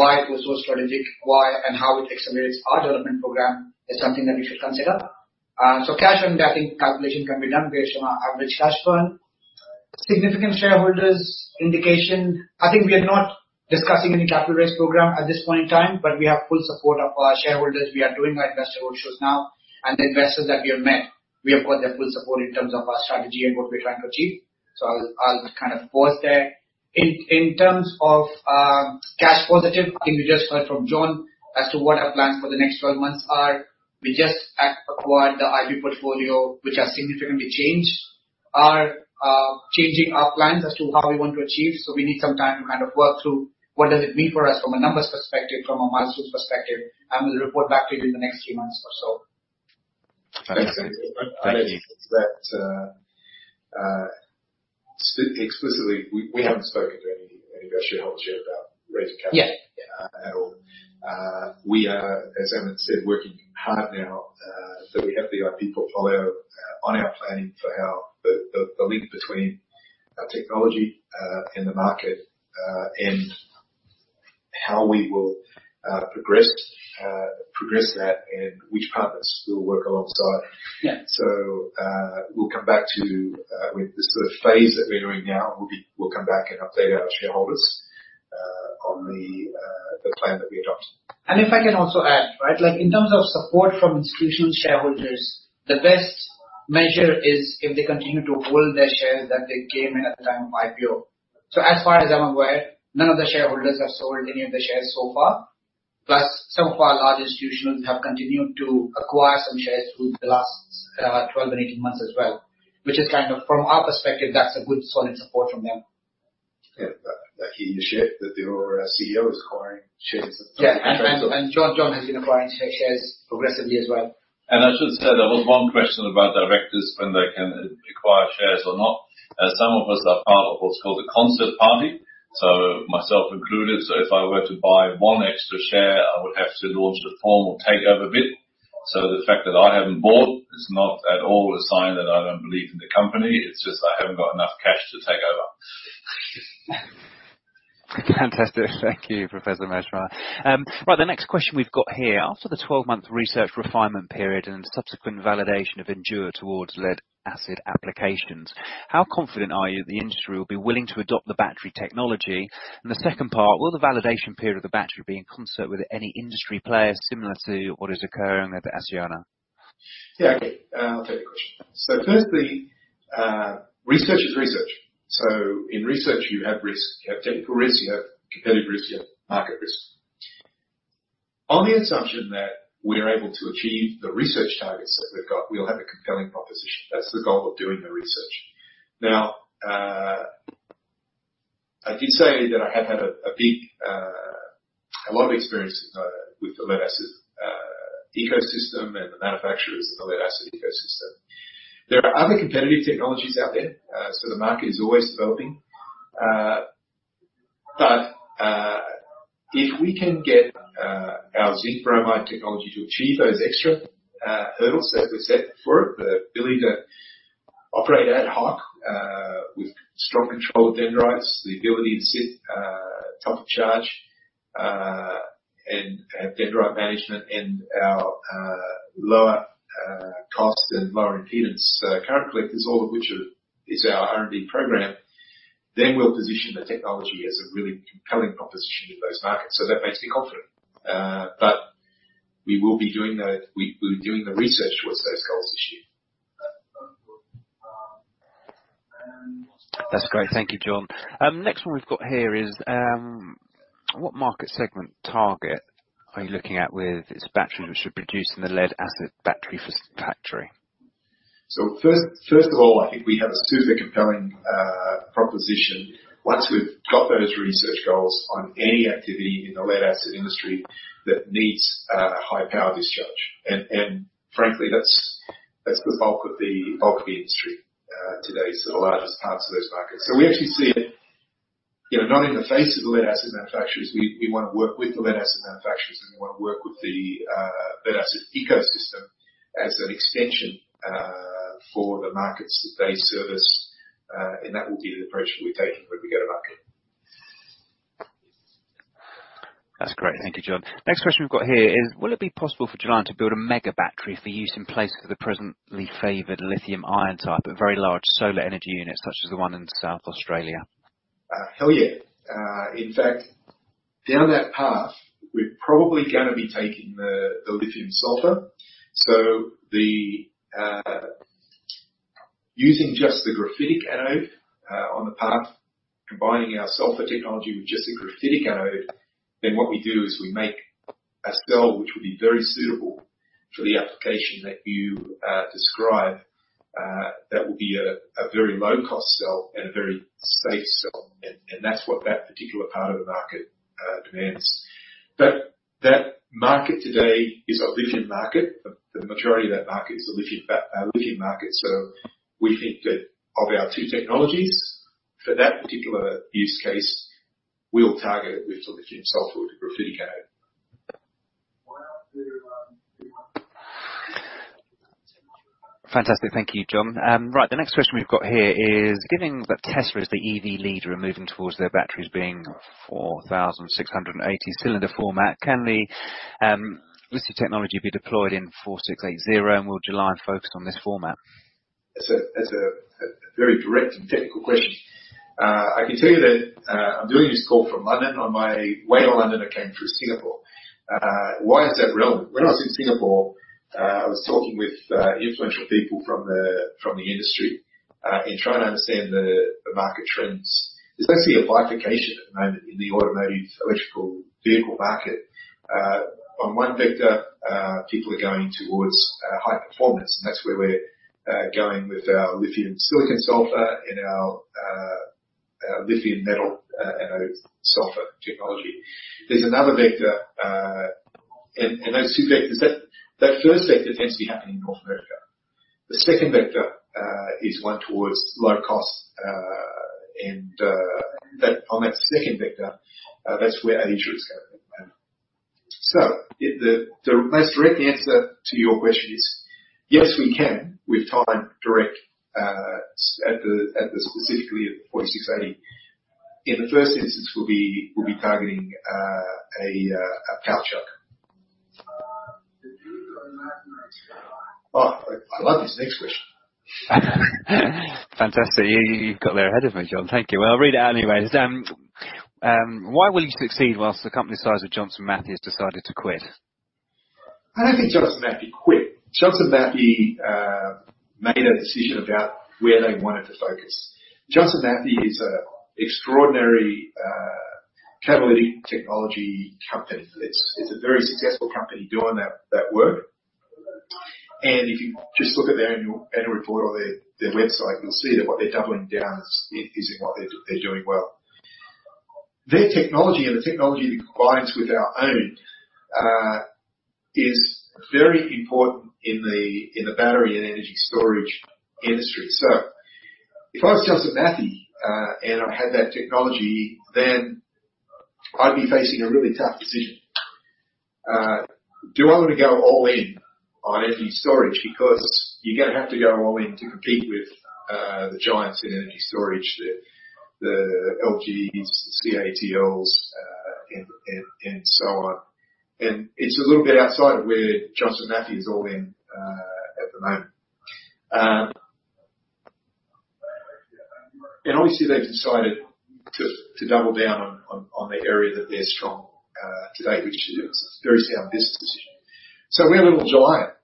why it was so strategic, why and how it accelerates our development program is something that we should consider. Cash burn, I think calculation can be done based on our average cash burn. Significant shareholders indication. I think we are not discussing any capital raise program at this point in time, but we have full support of our shareholders. We are doing our investor roadshows now. The investors that we have met, we have got their full support in terms of our strategy and what we're trying to achieve. I'll kind of pause there. In terms of cash positive, I think we just heard from John as to what our plans for the next 12 months are. We just acquired the IP portfolio, which has significantly changed our changing our plans as to how we want to achieve. We need some time to kind of work through what does it mean for us from a numbers perspective, from a milestone perspective, and we'll report back to you in the next few months or so. Thanks, Amit. Thank you. I think it's that, explicitly, we haven't spoken to any of our shareholders yet about raising capital- Yeah. at all. We are, as Amit said, working hard now. We have the IP portfolio on our planning for how the link between our technology and the market and how we will progress that and which partners we'll work alongside. Yeah. We'll come back to, with this sort of phase that we're doing now, we'll come back and update our shareholders on the plan that we adopt. If I can also add, right, like in terms of support from institutional shareholders, the best measure is if they continue to hold their shares that they came in at the time of IPO. As far as I'm aware, none of the shareholders have sold any of their shares so far. Some of our large institutions have continued to acquire some shares through the last 12 and 18 months as well, which is kind of from our perspective, that's a good solid support from them. Yeah. That key initiative that your CEO is acquiring shares. Yeah. John has been acquiring shares progressively as well. I should say there was one question about directors when they can acquire shares or not. Some of us are part of what's called a concert party, myself included. If I were to buy one extra share, I would have to launch the formal takeover bid. The fact that I haven't bought is not at all a sign that I don't believe in the company, it's just I haven't got enough cash to take over. Fantastic. Thank you, Professor Maschmeyer. Right. The next question we've got here. After the 12-month research refinement period and subsequent validation of Endure towards lead acid applications, how confident are you the industry will be willing to adopt the battery technology? The second part, will the validation period of the battery be in concert with any industry players similar to what is occurring at the Acciona? Okay. I'll take the question. Firstly, research is research. In research you have risk. You have technical risk, you have competitive risk, you have market risk. On the assumption that we're able to achieve the research targets that we've got, we'll have a compelling proposition. That's the goal of doing the research. Now, I did say that I have had a lot of experience with the lead acid ecosystem and the manufacturers of the lead acid ecosystem. There are other competitive technologies out there. If we can get our zinc-bromide technology to achieve those extra hurdles that we set for it. The ability to operate ad hoc, with strong controlled dendrites, the ability to sit, top of charge, and have dendrite management and our lower cost and lower impedance current collectors, all of which is our R&D program, then we'll position the technology as a really compelling proposition in those markets. That makes me confident. We're doing the research towards those goals this year. That's great. Thank you, John. Next one we've got here is what market segment target are you looking at with this battery, which we produce in the lead acid battery factory? First of all, I think we have a super compelling proposition once we've got those research goals on any activity in the lead acid industry that needs high power discharge. Frankly, that's the bulk of the industry today. The largest parts of those markets. We actually see it, you know, not in the face of the lead acid manufacturers. We wanna work with the lead acid manufacturers and we wanna work with the lead acid ecosystem as an extension for the markets that they service. That will be the approach that we're taking when we go to market. That's great. Thank you, John. Next question we've got here is: Will it be possible for Gelion to build a mega battery for use in place of the presently favored lithium-ion type, a very large solar energy unit such as the one in South Australia? Hell yeah. In fact, down that path, we're probably gonna be taking the lithium-sulfur. Using just the graphitic anode on the path, combining our sulfur technology with just a graphitic anode, then what we do is we make a cell which will be very suitable for the application that you describe. That will be a very low-cost cell and a very safe cell, and that's what that particular part of the market demands. That market today is a lithium market. The majority of that market is a lithium market. We think that of our two technologies, for that particular use case, we'll target it with the lithium-sulfur with a graphitic anode. Fantastic. Thank you, John. Right. The next question we've got here is: Given that Tesla is the EV leader in moving towards their batteries being 4680-cylinder format, can the listed technology be deployed in 4680, and will Gelion focus on this format? That's a very direct and technical question. I can tell you that I'm doing this call from London. On my way to London, I came through Singapore. Why is that relevant? When I was in Singapore, I was talking with influential people from the industry in trying to understand the market trends. There's basically a bifurcation at the moment in the automotive electric vehicle market. On one vector, people are going towards high performance, and that's where we're going with our lithium silicon sulfur and our lithium metal anode sulfur technology. There's another vector. Those two vectors, that first vector tends to be happening in North America. The second vector is one towards low cost. On that second vector, that's where I think it is going at the moment. The most direct answer to your question is yes, we can, with time, direct, specifically at 4680. In the first instance, we'll be targeting a pouch truck. I love this next question. Fantastic. You got there ahead of me, John. Thank you. I'll read it out anyways. Why will you succeed whilst the company size of Johnson Matthey decided to quit? I don't think Johnson Matthey quit. Johnson Matthey made a decision about where they wanted to focus. Johnson Matthey is an extraordinary catalytic technology company. It's a very successful company doing that work. If you just look at their annual report on their website, you'll see that what they're doubling down is in what they're doing well. Their technology and the technology that combines with our own is very important in the battery and energy storage industry. If I was Johnson Matthey and I had that technology, I'd be facing a really tough decision. Do I wanna go all in on energy storage? Because you're gonna have to go all in to compete with the giants in energy storage, the LGs, the CATLs, and so on. It's a little bit outside of where Johnson Matthey is all in at the moment. Obviously, they've decided to double down on the area that they're strong today, which is a very sound business decision. We're a little giant.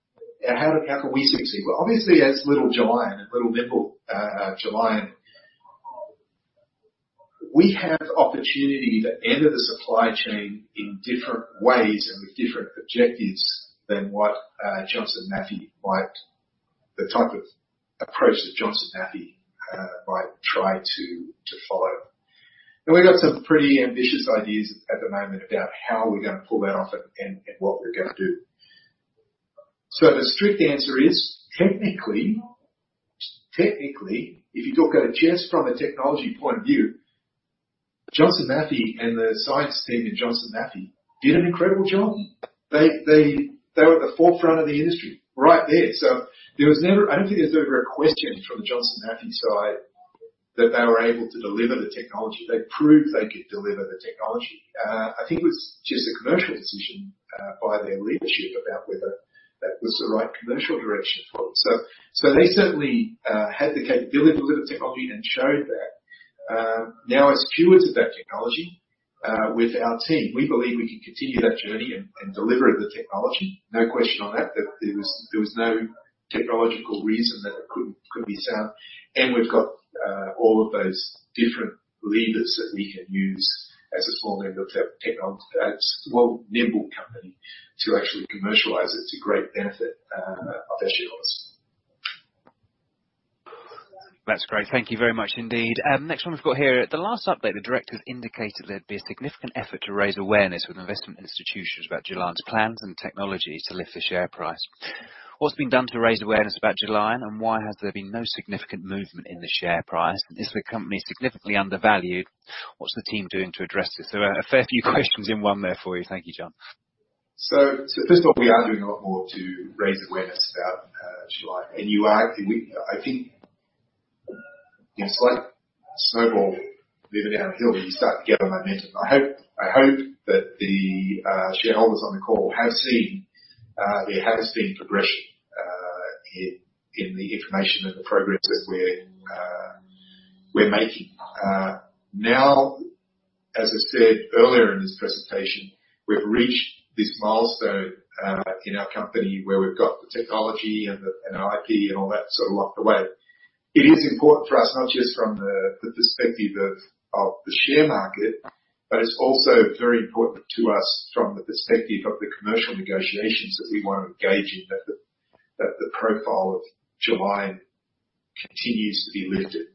How can we succeed? Well, obviously as little giant and little nimble giant, we have opportunity to enter the supply chain in different ways and with different objectives than what Johnson Matthey might. The type of approach that Johnson Matthey might try to follow. We've got some pretty ambitious ideas at the moment about how we're gonna pull that off and what we're gonna do. The strict answer is technically, if you look at it just from a technology point of view, Johnson Matthey and the science team in Johnson Matthey did an incredible job. They were at the forefront of the industry right there. I don't think there was ever a question from the Johnson Matthey side that they were able to deliver the technology. They proved they could deliver the technology. I think it was just a commercial decision by their leadership about whether that was the right commercial direction for them. They certainly had the capability to deliver the technology and showed that. Now as stewards of that technology, with our team, we believe we can continue that journey and deliver the technology. No question on that. That there was no technological reason that it couldn't be sound. We've got all of those different levers that we can use as a small member of that small, nimble company to actually commercialize it to great benefit of our shareholders. That's great. Thank you very much indeed. Next one we've got here. The last update, the directors indicated there'd be a significant effort to raise awareness with investment institutions about Gelion's plans and technologies to lift the share price. What's being done to raise awareness about Gelion, and why has there been no significant movement in the share price? Is the company significantly undervalued? What's the team doing to address this? There are a fair few questions in one there for you. Thank you, John. First of all, we are doing a lot more to raise awareness about Gelion. I think, you know, slight snowball moving down a hill, you start to get a momentum. I hope that the shareholders on the call have seen there has been progression in the information and the progress that we're making. Now, as I said earlier in this presentation, we've reached this milestone in our company where we've got the technology and our IP and all that sort of locked away. It is important for us, not just from the perspective of the share market, but it's also very important to us from the perspective of the commercial negotiations that we wanna engage in, that the profile of Gelion continues to be lifted.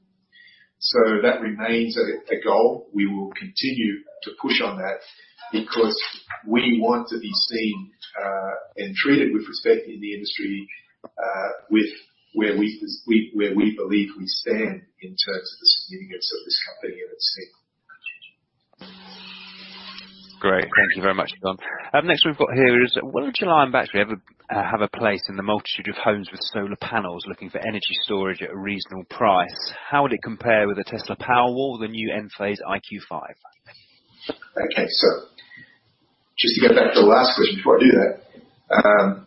That remains a goal. We will continue to push on that because we want to be seen and treated with respect in the industry with where we believe we stand in terms of the significance of this company and its team. Great. Thank you very much, John. Next one we've got here is, will a Gelion battery ever have a place in the multitude of homes with solar panels looking for energy storage at a reasonable price? How would it compare with a Tesla Powerwall or the new Enphase IQ Battery 5P? Okay. Just to get back to the last question before I do that.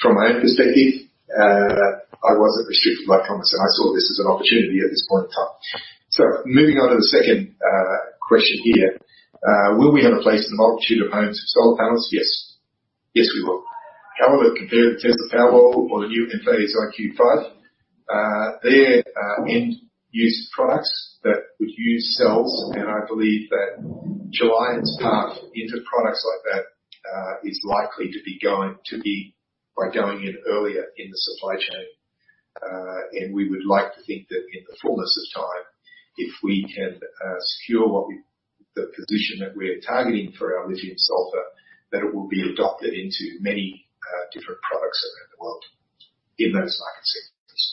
From my own perspective, I wasn't restricted by promise, and I saw this as an opportunity at this point in time. Moving on to the second question here. Will we have a place in the multitude of homes with solar panels? Yes. Yes, we will. How will it compare to the Tesla Powerwall or the new Enphase IQ Battery 5P? They're end user products that would use cells, and I believe that Gelion's path into products like that is likely to be going to be by going in earlier in the supply chain. We would like to think that in the fullness of time, if we can secure the position that we're targeting for our lithium-sulfur, that it will be adopted into many different products around the world in those market sectors.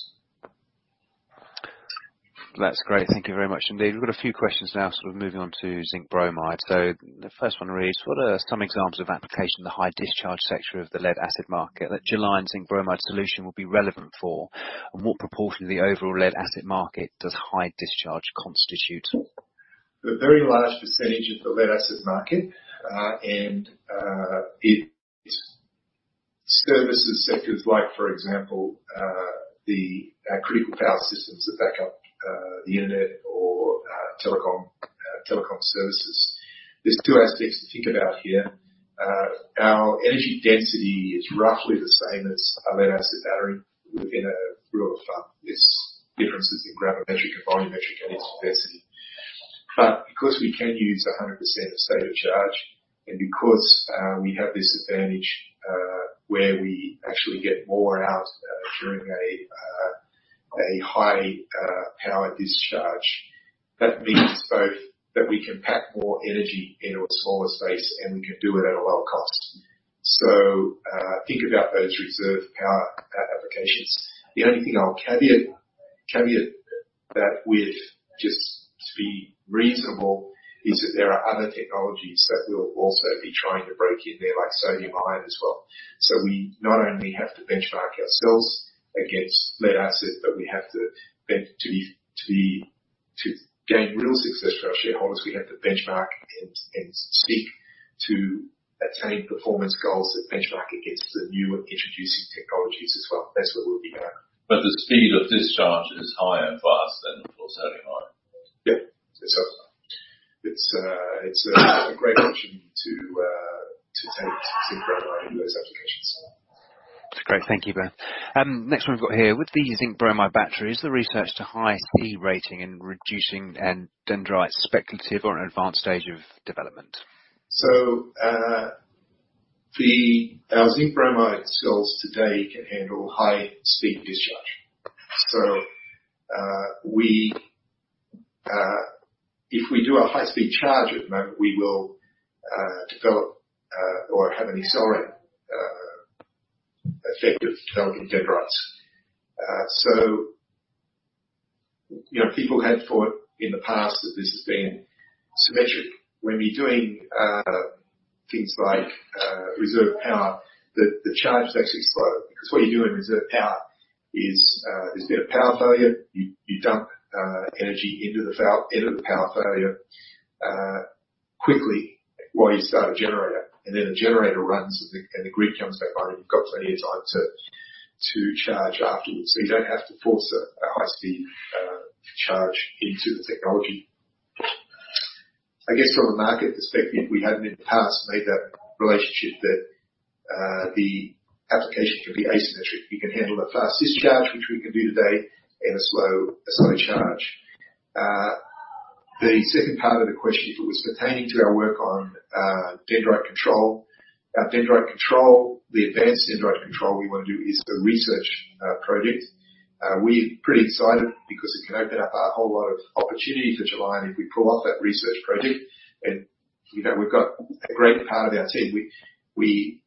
That's great. Thank you very much indeed. We've got a few questions now, sort of moving on to zinc-bromide. The first one reads: What are some examples of application in the high discharge sector of the lead-acid market that Gelion's zinc-bromide solution would be relevant for? What proportion of the overall lead-acid market does high discharge constitute? A very large percentage of the lead-acid market. It services sectors like for example, the critical power systems that back up the internet or telecom services. There's two aspects to think about here. Our energy density is roughly the same as a lead-acid battery within a rule of thumb. There's differences in gravimetric and volumetric energy density. Because we can use 100% state of charge, and because we have this advantage, where we actually get more out during a high-power discharge, that means both that we can pack more energy into a smaller space, and we can do it at a lower cost. Think about those reserve power applications. The only thing I'll caveat that with, just to be reasonable, is that there are other technologies that will also be trying to break in there, like sodium-ion as well. We not only have to benchmark ourselves against lead acid, but we have to gain real success for our shareholders, we have to benchmark and seek to attain performance goals that benchmark against the new introducing technologies as well. That's where we'll be going. The speed of discharge is higher and faster than for sodium-ion. Yeah. It does. It's a great option to take zinc-bromide in those applications. Great. Thank you both. Next one we've got here, with the zinc-bromide battery, is the research to high C-rate in reducing and dendrite speculative or an advanced stage of development? Our zinc-bromide cells today can handle high speed discharge. We, if we do a high-speed charge at the moment, we will develop or have any slower effect of developing dendrites. You know, people had thought in the past that this has been symmetric. When you're doing things like reserve power, the charge is actually slower. 'Cause what you do in reserve power is there's been a power failure, you dump energy into the power failure quickly while you start a generator. The generator runs and the grid comes back on, and you've got plenty of time to charge afterwards. You don't have to force a high-speed charge into the technology. I guess from a market perspective, we haven't in the past made that relationship that the application can be asymmetric. You can handle a fast discharge, which we can do today in a slow charge. The second part of the question, if it was pertaining to our work on dendrite control. Dendrite control, the advanced dendrite control we wanna do is a research project. We're pretty excited because it can open up a whole lot of opportunity for Gelion if we pull off that research project. You know, we've got a great part of our team. We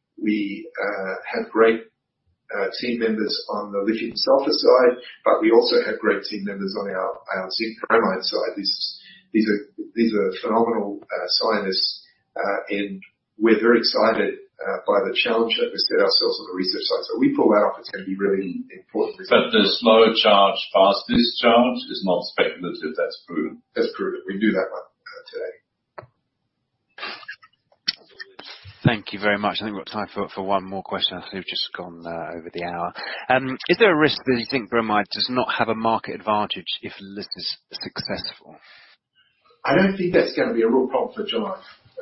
have great team members on the lithium-sulfur side, but we also have great team members on our zinc-bromide side. These are phenomenal scientists. We're very excited by the challenge that we set ourselves on the research side. If we pull it off, it's gonna be really important. The slow charge, fast discharge is not speculative. That's proven. That's proven. We do that one, today. Thank you very much. I think we've got time for one more question. I see we've just gone over the hour. Is there a risk that you think bromide does not have a market advantage if lithium is successful? I don't think that's gonna be a real problem for Gelion.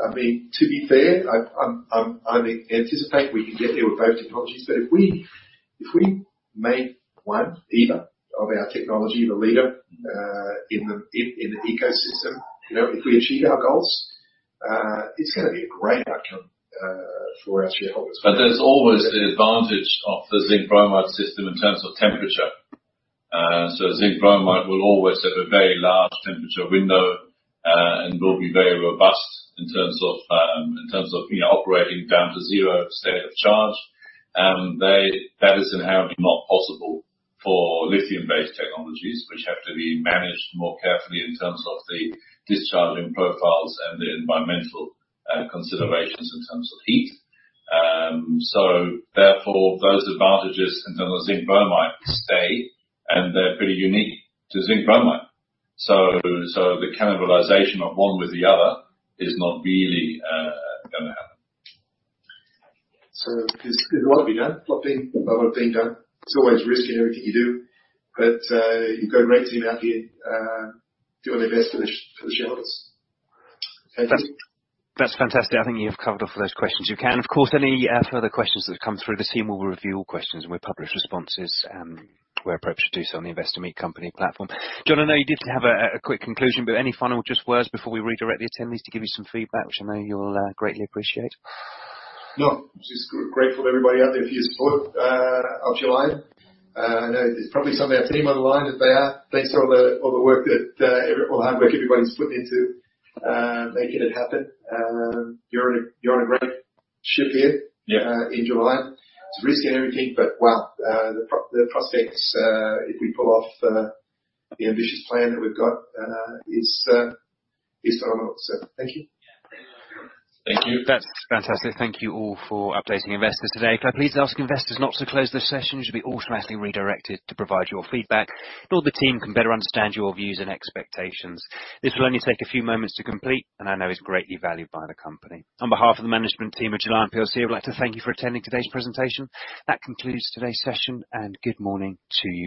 I mean, to be fair, I anticipate we can get there with both technologies. If we make one either of our technology the leader in the ecosystem, you know, if we achieve our goals, it's gonna be a great outcome for our shareholders. There's always the advantage of the zinc-bromide system in terms of temperature. Zinc bromide will always have a very large temperature window and will be very robust in terms of, you know, operating down to zero state of charge. That is inherently not possible for lithium-based technologies, which have to be managed more carefully in terms of the discharging profiles and the environmental considerations in terms of heat. Therefore, those advantages in terms of zinc-bromide stay, and they're pretty unique to zinc-bromide. The cannibalization of one with the other is not really gonna happen. There's a lot to be done. A lot being done. There's always risk in everything you do. You've got a great team out here doing their best for the shareholders. Thank you. That's fantastic. I think you've covered off those questions. You can, of course, any further questions that have come through, the team will review all questions and we'll publish responses, where appropriate, do so on the Investor Meet Company platform. John, I know you did have a quick conclusion, but any final just words before we redirect the attendees to give you some feedback, which I know you'll greatly appreciate. No. Just grateful to everybody out there for your support of Gelion. I know there's probably some of our team on the line, as they are, based on all the work that all the hard work everybody's putting into making it happen. You're on a great ship here. Yeah. in Gelion. It's risky and everything, but wow, the prospects, if we pull off, the ambitious plan that we've got, is phenomenal. Thank you. Thank you. That's fantastic. Thank you all for updating investors today. Could I please ask investors not to close their session? You should be automatically redirected to provide your feedback so the team can better understand your views and expectations. This will only take a few moments to complete, and I know is greatly valued by the company. On behalf of the management team at Gelion plc, I'd like to thank you for attending today's presentation. That concludes today's session, and good morning to you.